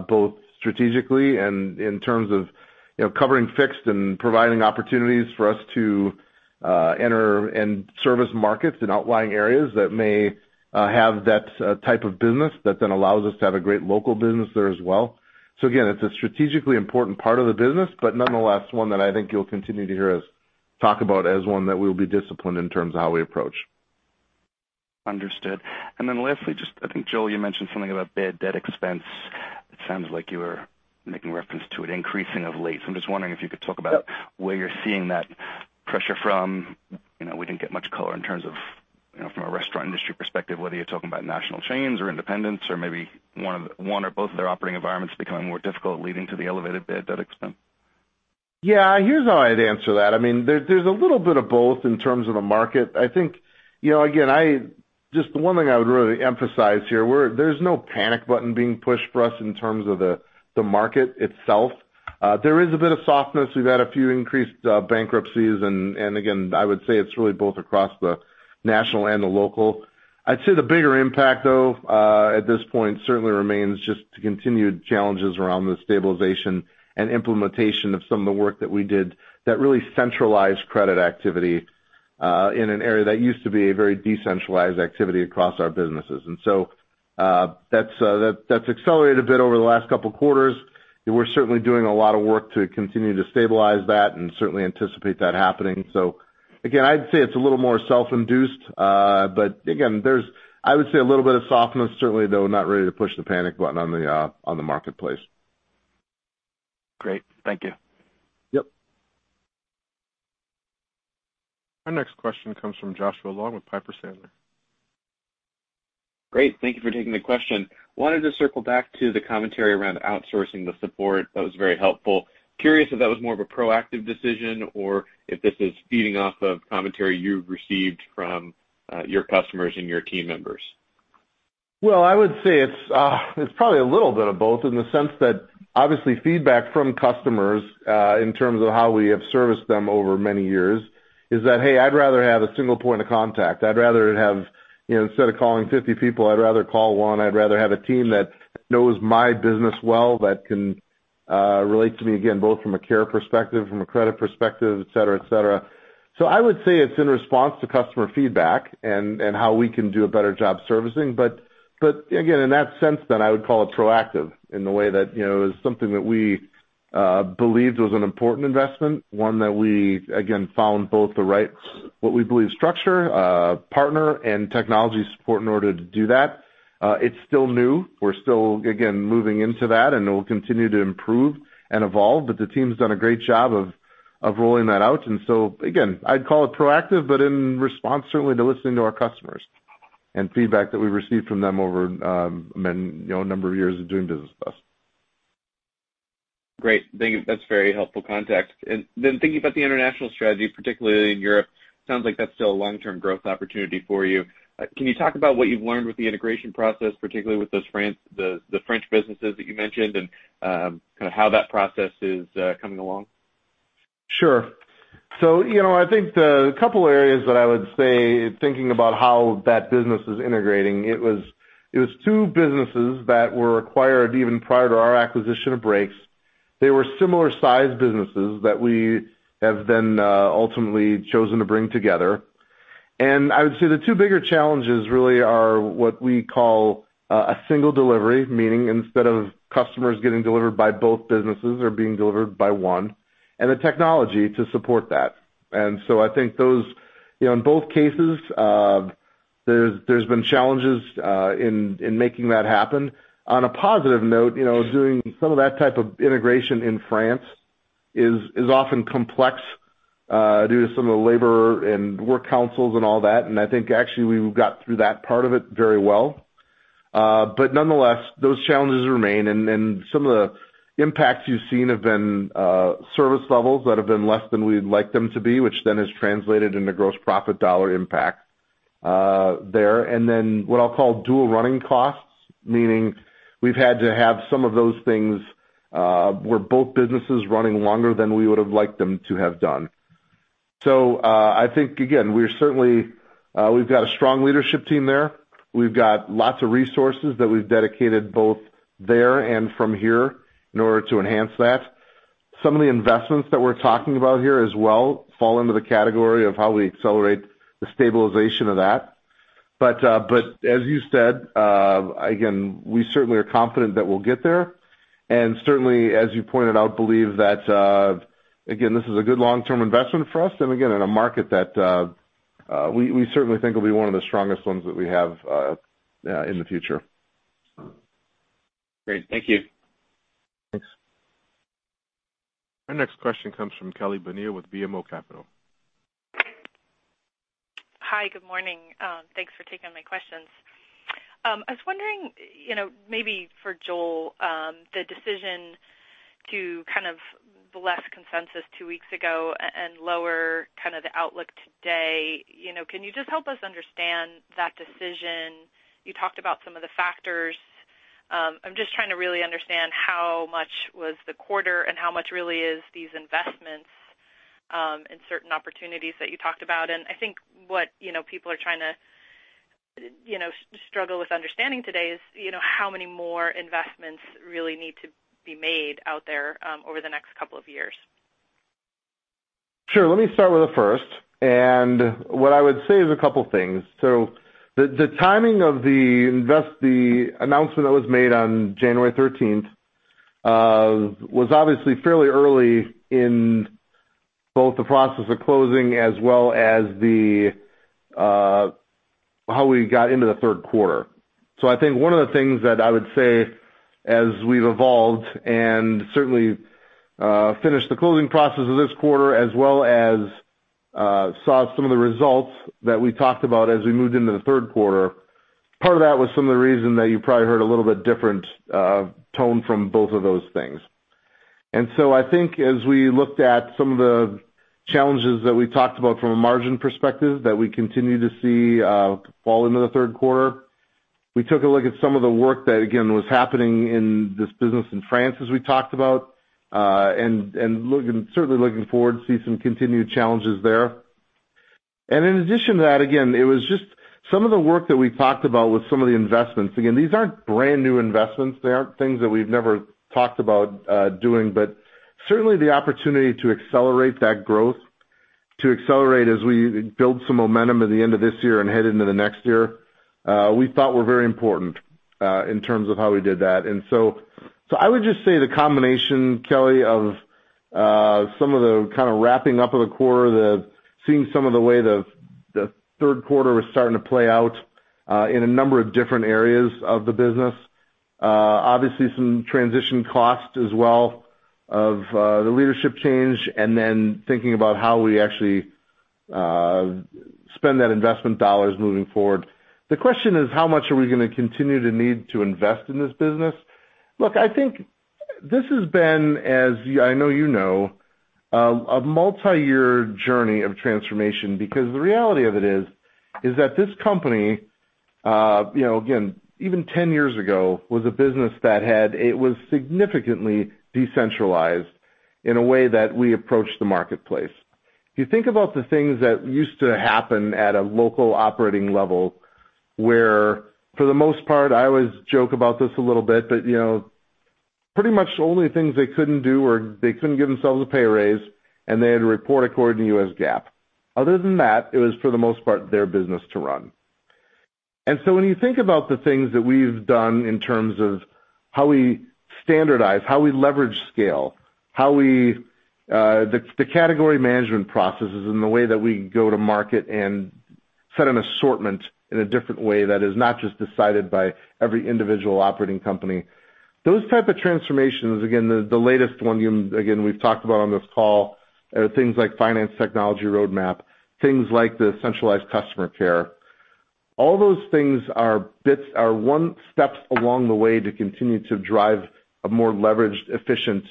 both strategically and in terms of covering fixed and providing opportunities for us to enter and service markets in outlying areas that may have that type of business that then allows us to have a great local business there as well. Again, it's a strategically important part of the business, but nonetheless, one that I think you'll continue to hear us talk about as one that we'll be disciplined in terms of how we approach. Understood. Lastly, just I think, Joel, you mentioned something about bad debt expense. It sounds like you were making reference to it increasing of late. I'm just wondering if you could talk about where you're seeing that pressure from. We didn't get much color in terms of from a restaurant industry perspective, whether you're talking about national chains or independents or maybe one or both of their operating environments becoming more difficult, leading to the elevated bad debt expense. Yeah. Here's how I'd answer that. There's a little bit of both in terms of the market. I think, again, just the one thing I would really emphasize here, there's no panic button being pushed for us in terms of the market itself. There is a bit of softness. We've had a few increased bankruptcies, and again, I would say it's really both across the national and the local. I'd say the bigger impact, though, at this point certainly remains just the continued challenges around the stabilization and implementation of some of the work that we did that really centralized credit activity in an area that used to be a very decentralized activity across our businesses. That's accelerated a bit over the last couple of quarters, and we're certainly doing a lot of work to continue to stabilize that and certainly anticipate that happening. Again, I'd say it's a little more self-induced. Again, there's, I would say, a little bit of softness. Certainly, though, not ready to push the panic button on the marketplace. Great. Thank you. Yep. Our next question comes from Joshua Long with Piper Sandler. Great. Thank you for taking the question. Wanted to circle back to the commentary around outsourcing the support. That was very helpful. Curious if that was more of a proactive decision or if this is feeding off of commentary you've received from your customers and your team members. I would say it's probably a little bit of both in the sense that obviously feedback from customers, in terms of how we have serviced them over many years, is that, hey, I'd rather have a single point of contact. Instead of calling 50 people, I'd rather call one. I'd rather have a team that knows my business well, that can relate to me, again, both from a care perspective, from a credit perspective, et cetera. I would say it's in response to customer feedback and how we can do a better job servicing. Again, in that sense, then I would call it proactive in the way that it was something that we believed was an important investment, one that we, again, found both the right, what we believe structure, partner, and technology support in order to do that. It's still new. We're still, again, moving into that, and it will continue to improve and evolve, but the team's done a great job of rolling that out. Again, I'd call it proactive, but in response, certainly to listening to our customers and feedback that we've received from them over a number of years of doing business with us. Great. Thank you. That's very helpful context. Thinking about the international strategy, particularly in Europe, sounds like that's still a long-term growth opportunity for you. Can you talk about what you've learned with the integration process, particularly with the French businesses that you mentioned, and how that process is coming along? Sure. I think the couple areas that I would say, thinking about how that business is integrating, it was two businesses that were acquired even prior to our acquisition of Brakes. They were similar sized businesses that we have then ultimately chosen to bring together. I would say the two bigger challenges really are what we call a single delivery, meaning instead of customers getting delivered by both businesses are being delivered by one, and the technology to support that. I think in both cases, there's been challenges in making that happen. On a positive note, doing some of that type of integration in France is often complex due to some of the labor and work councils and all that, I think actually we've got through that part of it very well. Nonetheless, those challenges remain, and some of the impacts you've seen have been service levels that have been less than we'd like them to be, which then has translated into gross profit dollar impact there. What I'll call dual running costs, meaning we've had to have some of those things where both businesses running longer than we would've liked them to have done. I think, again, we've got a strong leadership team there. We've got lots of resources that we've dedicated both there and from here in order to enhance that. Some of the investments that we're talking about here as well fall into the category of how we accelerate the stabilization of that. As you said, again, we certainly are confident that we'll get there, and certainly, as you pointed out, believe that, again, this is a good long-term investment for us, and again, in a market that we certainly think will be one of the strongest ones that we have in the future. Great. Thank you. Thanks. Our next question comes from Kelly Bania with BMO Capital Markets. Hi, good morning. Thanks for taking my questions. I was wondering, maybe for Joel, the decision to kind of bless consensus two weeks ago and lower kind of the outlook today. Can you just help us understand that decision? You talked about some of the factors. I'm just trying to really understand how much was the quarter and how much really is these investments and certain opportunities that you talked about. I think what people are trying to struggle with understanding today is how many more investments really need to be made out there over the next couple of years. Sure. Let me start with the first, what I would say is a couple things. The timing of the announcement that was made on January 13th, was obviously fairly early in both the process of closing as well as how we got into the third quarter. I think one of the things that I would say as we've evolved and certainly finished the closing process of this quarter, as well as saw some of the results that we talked about as we moved into the third quarter, part of that was some of the reason that you probably heard a little bit different tone from both of those things. I think as we looked at some of the challenges that we talked about from a margin perspective that we continue to see fall into the third quarter, we took a look at some of the work that, again, was happening in this business in France as we talked about, and certainly looking forward to see some continued challenges there. In addition to that, again, it was just some of the work that we talked about with some of the investments. Again, these aren't brand-new investments. They aren't things that we've never talked about doing. Certainly the opportunity to accelerate that growth, to accelerate as we build some momentum at the end of this year and head into the next year, we thought were very important in terms of how we did that. I would just say the combination, Kelly, of some of the kind of wrapping up of the quarter, the seeing some of the way the third quarter was starting to play out in a number of different areas of the business. Obviously, some transition costs as well of the leadership change and then thinking about how we actually spend that investment dollars moving forward. The question is, how much are we going to continue to need to invest in this business? Look, I think this has been, as I know you know, a multi-year journey of transformation because the reality of it is that this company, again, even 10 years ago, was a business that was significantly decentralized in a way that we approached the marketplace. If you think about the things that used to happen at a local operating level, where for the most part, I always joke about this a little bit, but pretty much the only things they couldn't do were they couldn't give themselves a pay raise, and they had to report according to U.S. GAAP. Other than that, it was for the most part their business to run. When you think about the things that we've done in terms of how we standardize, how we leverage scale, the category management processes and the way that we go-to-market and set an assortment in a different way that is not just decided by every individual operating company. Those type of transformations, again, the latest one, again, we've talked about on this call are things like finance technology roadmap, things like the centralized customer care. All those things are one steps along the way to continue to drive a more leveraged, efficient,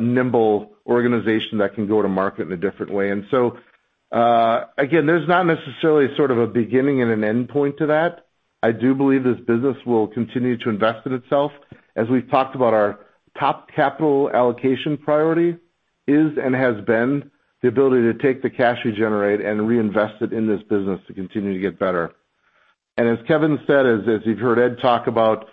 nimble organization that can go-to-market in a different way. Again, there's not necessarily sort of a beginning and an endpoint to that. I do believe this business will continue to invest in itself. As we've talked about, our top capital allocation priority is and has been the ability to take the cash we generate and reinvest it in this business to continue to get better. As Kevin said, as you've heard Ed talk about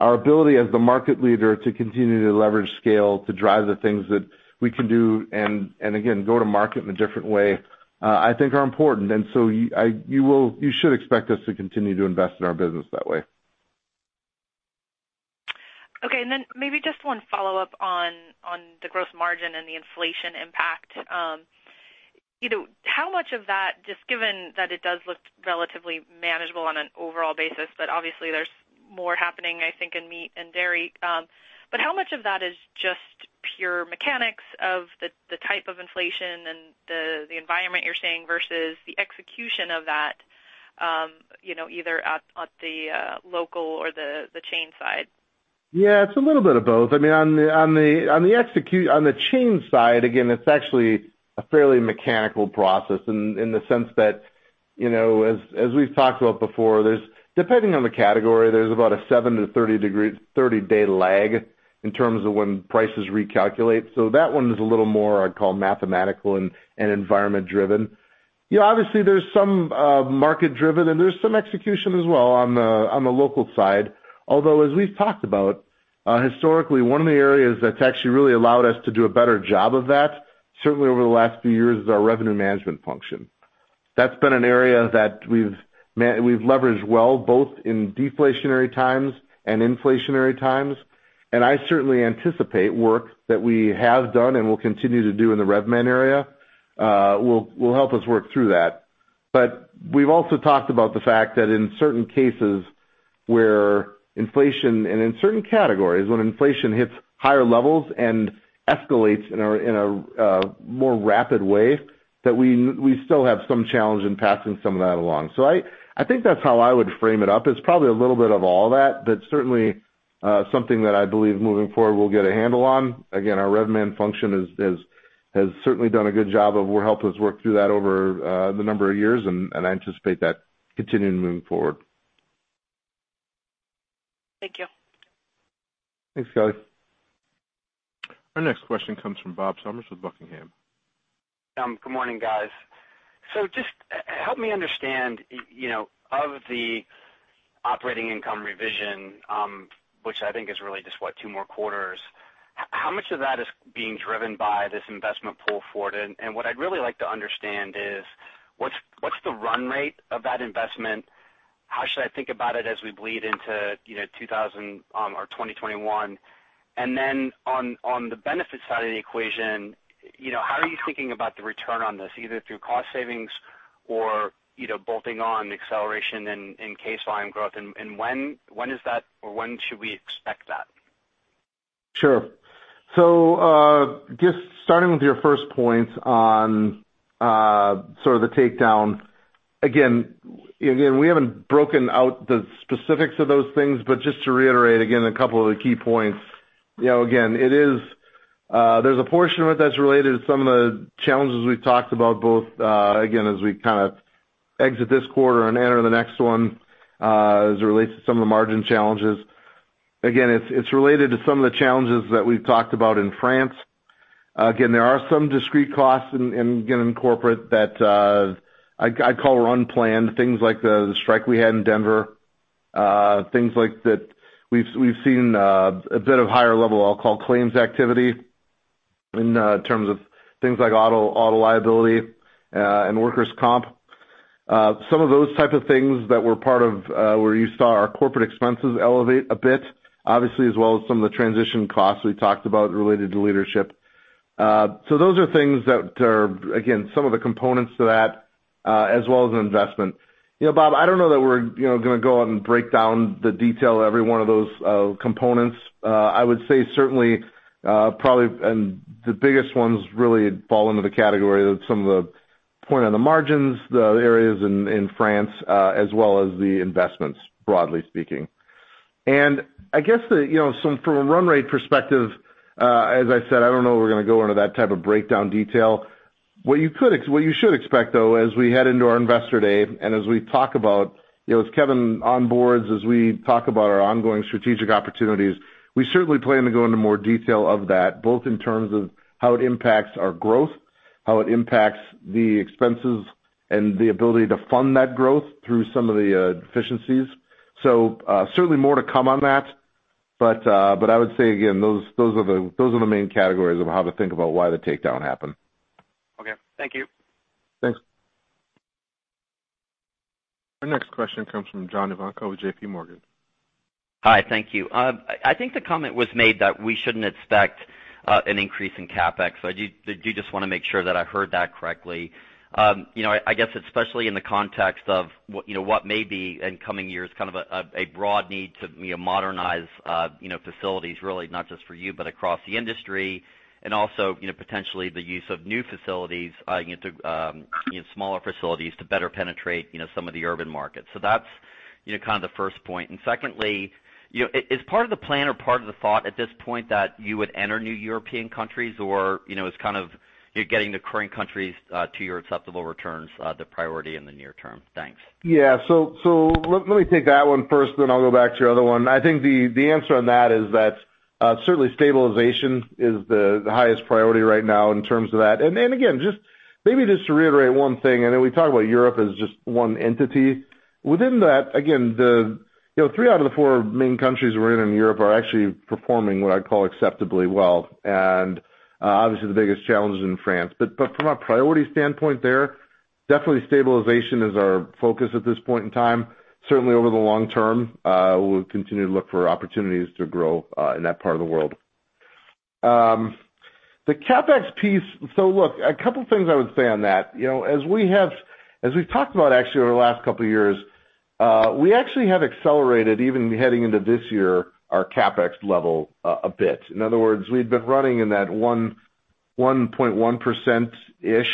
our ability as the market leader to continue to leverage scale to drive the things that we can do and again, go-to-market in a different way, I think are important. You should expect us to continue to invest in our business that way. Okay, maybe just one follow-up on the gross margin and the inflation impact. How much of that, just given that it does look relatively manageable on an overall basis, but obviously there's more happening, I think, in meat and dairy. How much of that is just pure mechanics of the type of inflation and the environment you're seeing versus the execution of that either at the local or the chain side? Yeah, it's a little bit of both. On the chain side, again, it's actually a fairly mechanical process in the sense that as we've talked about before, depending on the category, there's about a seven to 30-day lag in terms of when prices recalculate. That one is a little more, I'd call mathematical and environment driven. Obviously, there's some market driven and there's some execution as well on the local side. Although as we've talked about, historically, one of the areas that's actually really allowed us to do a better job of that, certainly over the last few years, is our Revenue Management function. That's been an area that we've leveraged well, both in deflationary times and inflationary times. I certainly anticipate work that we have done and will continue to do in the Revenue Management area will help us work through that. We've also talked about the fact that in certain cases where inflation and in certain categories, when inflation hits higher levels and escalates in a more rapid way, that we still have some challenge in passing some of that along. I think that's how I would frame it up. It's probably a little bit of all that, but certainly something that I believe moving forward we'll get a handle on. Again, our Revenue Management function has certainly done a good job of helping us work through that over the number of years, and I anticipate that continuing to move forward. Thank you. Thanks, Kelly. Our next question comes from Bob Summers with Buckingham. Good morning, guys. Just help me understand, of the operating income revision, which I think is really just, what, two more quarters, how much of that is being driven by this investment pull forward? What I'd really like to understand is what's the run rate of that investment? How should I think about it as we bleed into 2021? On the benefit side of the equation, how are you thinking about the return on this, either through cost savings or bolting on acceleration in case line growth? When is that, or when should we expect that? Sure. Just starting with your first point on the takedown. We haven't broken out the specifics of those things, but just to reiterate again, a couple of the key points. There's a portion of it that's related to some of the challenges we've talked about, both as we kind of exit this quarter and enter the next one, as it relates to some of the margin challenges. It's related to some of the challenges that we've talked about in France. There are some discrete costs in corporate that I'd call unplanned. Things like the strike we had in Denver, things like that. We've seen a bit of higher level, I'll call claims activity in terms of things like auto liability, and workers' comp. Some of those type of things that were part of where you saw our corporate expenses elevate a bit, obviously, as well as some of the transition costs we talked about related to leadership. Those are things that are some of the components to that, as well as an investment. Bob, I don't know that we're going to go out and break down the detail of every one of those components. I would say certainly, probably the biggest ones really fall into the category of some of the point on the margins, the areas in France, as well as the investments, broadly speaking. I guess from a run rate perspective, as I said, I don't know if we're going to go into that type of breakdown detail. What you should expect, though, as we head into our investor day, and as we talk about as Kevin onboards, as we talk about our ongoing strategic opportunities, we certainly plan to go into more detail of that, both in terms of how it impacts our growth, how it impacts the expenses, and the ability to fund that growth through some of the efficiencies. Certainly more to come on that. I would say, again, those are the main categories of how to think about why the takedown happened. Okay. Thank you. Thanks. Our next question comes from John Ivankoe with JPMorgan. Hi, thank you. I think the comment was made that we shouldn't expect an increase in CapEx. I do just want to make sure that I heard that correctly. I guess especially in the context of what may be in coming years kind of a broad need to modernize facilities really, not just for you, but across the industry. Also, potentially the use of new facilities, smaller facilities to better penetrate some of the urban markets. That's kind of the first point. Secondly, is part of the plan or part of the thought at this point that you would enter new European countries or is kind of getting the current countries to your acceptable returns the priority in the near term? Thanks. Yeah. Let me take that one first, then I'll go back to your other one. I think the answer on that is that certainly stabilization is the highest priority right now in terms of that. Again, maybe just to reiterate one thing, I know we talk about Europe as just one entity. Within that, three out of the four main countries we're in Europe are actually performing what I'd call acceptably well. Obviously the biggest challenge is in France. From a priority standpoint there, definitely stabilization is our focus at this point in time. Certainly over the long term, we'll continue to look for opportunities to grow in that part of the world. The CapEx piece, look, a couple things I would say on that. As we've talked about actually over the last couple of years, we actually have accelerated, even heading into this year, our CapEx level a bit. In other words, we'd been running in that 1.1% ish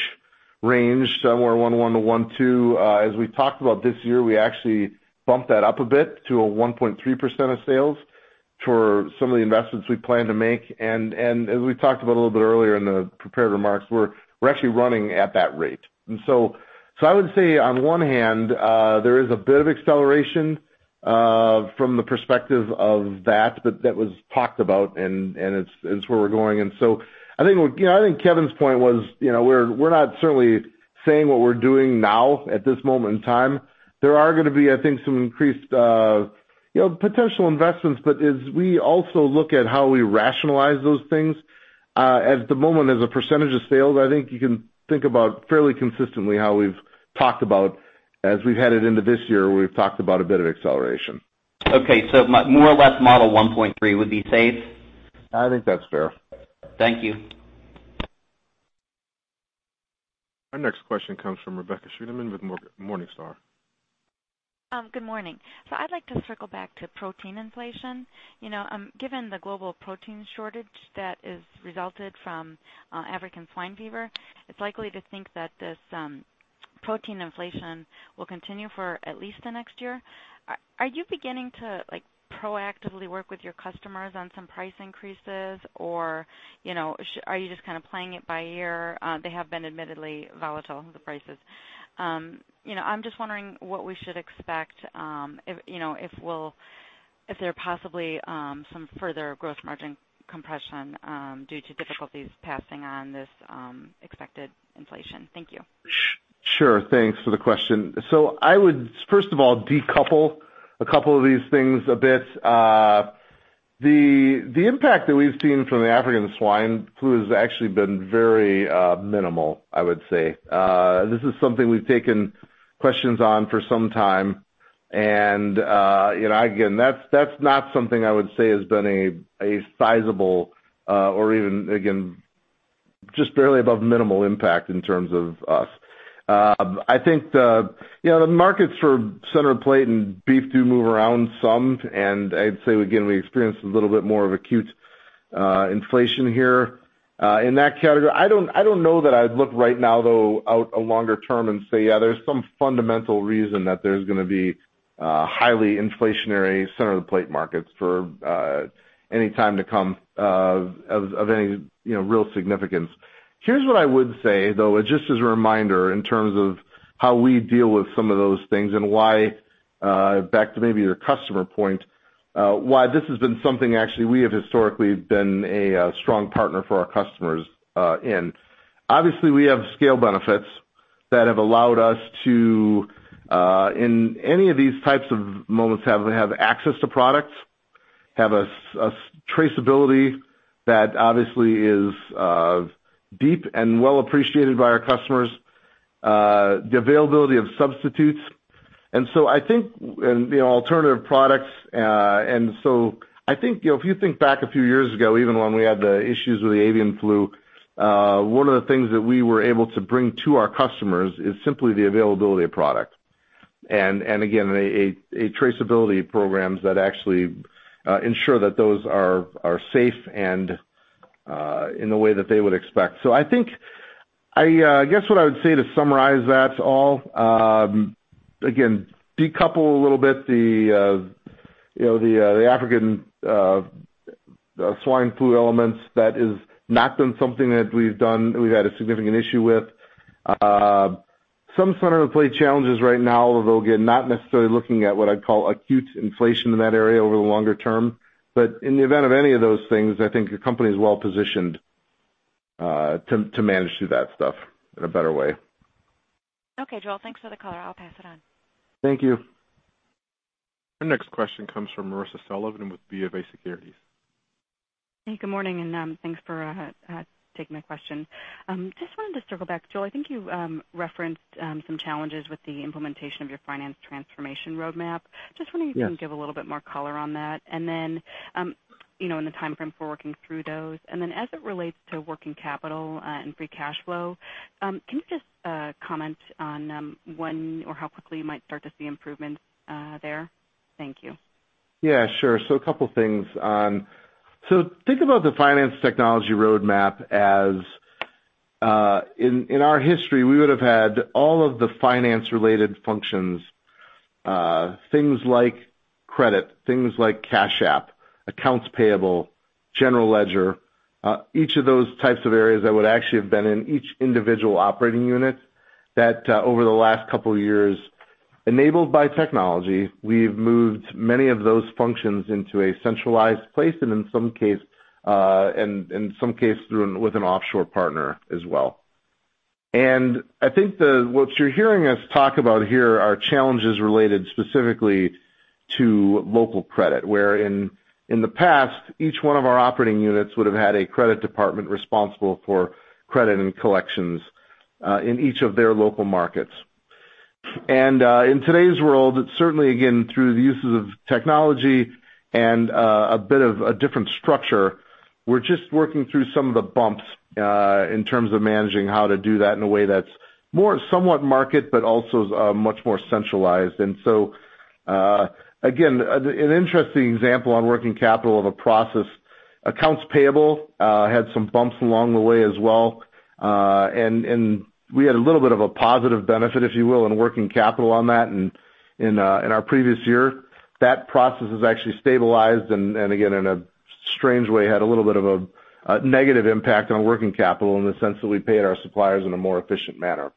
range, somewhere 1.1%-1.2%. As we've talked about this year, we actually bumped that up a bit to a 1.3% of sales for some of the investments we plan to make. As we talked about a little bit earlier in the prepared remarks, we're actually running at that rate. I would say on one hand, there is a bit of acceleration from the perspective of that, but that was talked about, and it's where we're going. I think Kevin's point was we're not certainly saying what we're doing now at this moment in time. There are going to be, I think, some increased potential investments. As we also look at how we rationalize those things, at the moment as a percentage of sales, I think you can think about fairly consistently how we've talked about as we've headed into this year, we've talked about a bit of acceleration. Okay. More or less model 1.3 would be safe? I think that's fair. Thank you. Our next question comes from Rebecca Scheuneman with Morningstar. Good morning. I'd like to circle back to protein inflation. Given the global protein shortage that has resulted from African Swine Fever, it's likely to think that this protein inflation will continue for at least the next year. Are you beginning to proactively work with your customers on some price increases, or are you just kind of playing it by ear? They have been admittedly volatile, the prices. I'm just wondering what we should expect, if there are possibly some further growth margin compression due to difficulties passing on this expected inflation. Thank you. Sure. Thanks for the question. I would, first of all, decouple a couple of these things a bit. The impact that we've seen from the African Swine Fever has actually been very minimal, I would say. This is something we've taken questions on for some time, and again, that's not something I would say has been a sizable or even, again, just barely above minimal impact in terms of us. I think the markets for center of plate and beef do move around some, and I'd say, again, we experienced a little bit more of acute inflation here in that category. I don't know that I'd look right now, though, out a longer term and say, yeah, there's some fundamental reason that there's going to be highly inflationary center of the plate markets for any time to come of any real significance. Here's what I would say, though. Just as a reminder, in terms of how we deal with some of those things and why, back to maybe your customer point, why this has been something actually, we have historically been a strong partner for our customers in. We have scale benefits that have allowed us to, in any of these types of moments, have access to products, have a traceability that obviously is deep and well appreciated by our customers. The availability of substitutes. Alternative products. I think, if you think back a few years ago, even when we had the issues with the avian flu, one of the things that we were able to bring to our customers is simply the availability of product. Again, our traceability programs that actually ensure that those are safe and in the way that they would expect. I think, I guess what I would say to summarize that all, again, decouple a little bit the African Swine Fever elements. That has not been something that we've had a significant issue with. Some center of the plate challenges right now, although, again, not necessarily looking at what I'd call acute inflation in that area over the longer term. In the event of any of those things, I think the company is well-positioned to manage through that stuff in a better way. Okay, Joel, thanks for the call. I'll pass it on. Thank you. Our next question comes from Marisa Sullivan with BofA Securities. Hey, good morning, and thanks for taking my question. Just wanted to circle back, Joel. I think you referenced some challenges with the implementation of your finance transformation roadmap. Yes you can give a little bit more color on that, and then, the timeframe for working through those. Then as it relates to working capital and free cash flow, can you just comment on when or how quickly you might start to see improvements there? Thank you. Yeah, sure. A couple things. Think about the finance technology roadmap as, in our history, we would have had all of the finance-related functions. Things like credit, things like cash app, accounts payable, general ledger. Each of those types of areas that would actually have been in each individual operating unit, that over the last couple of years, enabled by technology, we've moved many of those functions into a centralized place, and in some case, with an offshore partner as well. I think what you're hearing us talk about here are challenges related specifically to local credit, where in the past, each one of our operating units would have had a credit department responsible for credit and collections in each of their local markets. In today's world, certainly, again, through the uses of technology and a bit of a different structure, we're just working through some of the bumps in terms of managing how to do that in a way that's more somewhat market but also is much more centralized. Again, an interesting example on working capital of a process. Accounts payable had some bumps along the way as well. We had a little bit of a positive benefit, if you will, in working capital on that in our previous year. That process has actually stabilized and, again, in a strange way, had a little bit of a negative impact on working capital in the sense that we paid our suppliers in a more efficient manner.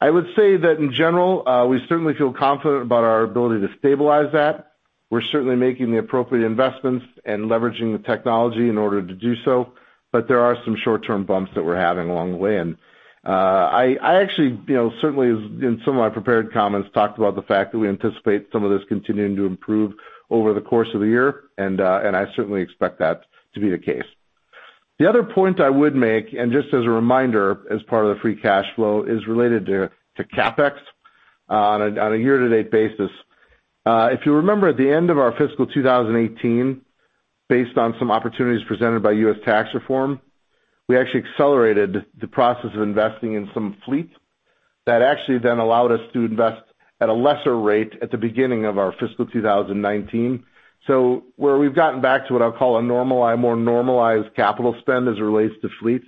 I would say that in general, we certainly feel confident about our ability to stabilize that. We're certainly making the appropriate investments and leveraging the technology in order to do so. There are some short-term bumps that we're having along the way. I actually, certainly in some of my prepared comments, talked about the fact that we anticipate some of this continuing to improve over the course of the year. I certainly expect that to be the case. The other point I would make, and just as a reminder, as part of the free cash flow, is related to CapEx on a year-to-date basis. If you remember, at the end of our fiscal 2018, based on some opportunities presented by U.S. tax reform, we actually accelerated the process of investing in some fleet. That actually allowed us to invest at a lesser rate at the beginning of our fiscal 2019. Where we've gotten back to what I'll call a more normalized capital spend as it relates to fleet,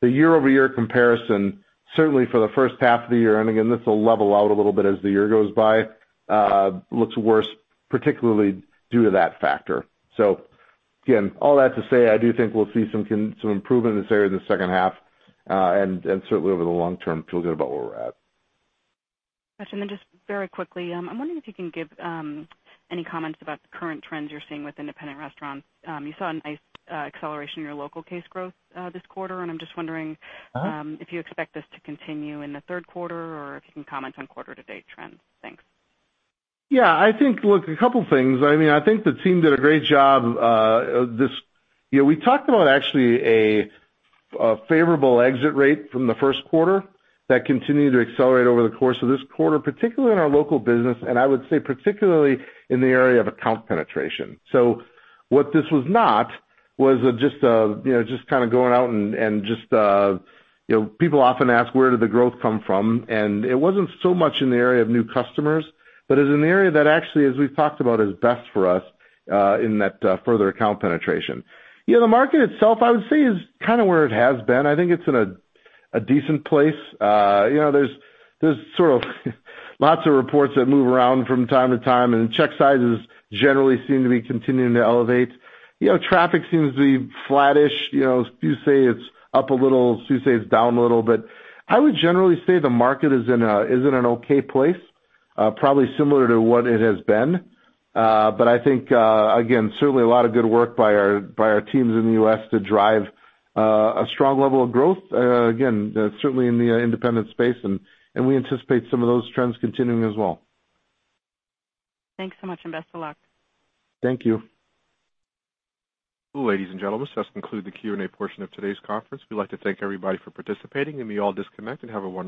the year-over-year comparison, certainly for the first half of the year, and again, this will level out a little bit as the year goes by, looks worse, particularly due to that factor. Again, all that to say, I do think we'll see some improvement in this area in the second half and certainly over the long term, feel good about where we're at. Got you. Just very quickly, I'm wondering if you can give any comments about the current trends you're seeing with independent restaurants. You saw a nice acceleration in your local case growth this quarter. if you expect this to continue in the third quarter or if you can comment on quarter-to-date trends. Thanks. Yeah. Look, a couple things. I think the team did a great job. We talked about actually a favorable exit rate from the first quarter that continued to accelerate over the course of this quarter, particularly in our local business, and I would say particularly in the area of account penetration. What this was not was just kind of going out. People often ask, where did the growth come from? It wasn't so much in the area of new customers, but is in the area that actually, as we've talked about, is best for us in that further account penetration. The market itself, I would say, is kind of where it has been. I think it's in a decent place. There's sort of lots of reports that move around from time to time, and check sizes generally seem to be continuing to elevate. Traffic seems to be flattish. Few say it's up a little, few say it's down a little. I would generally say the market is in an okay place, probably similar to what it has been. I think, again, certainly a lot of good work by our teams in the U.S. to drive a strong level of growth. Certainly in the independent space, we anticipate some of those trends continuing as well. Thanks so much and best of luck. Thank you. Ladies and gentlemen, this does conclude the Q&A portion of today's conference. We'd like to thank everybody for participating, and you may all disconnect and have a wonderful day.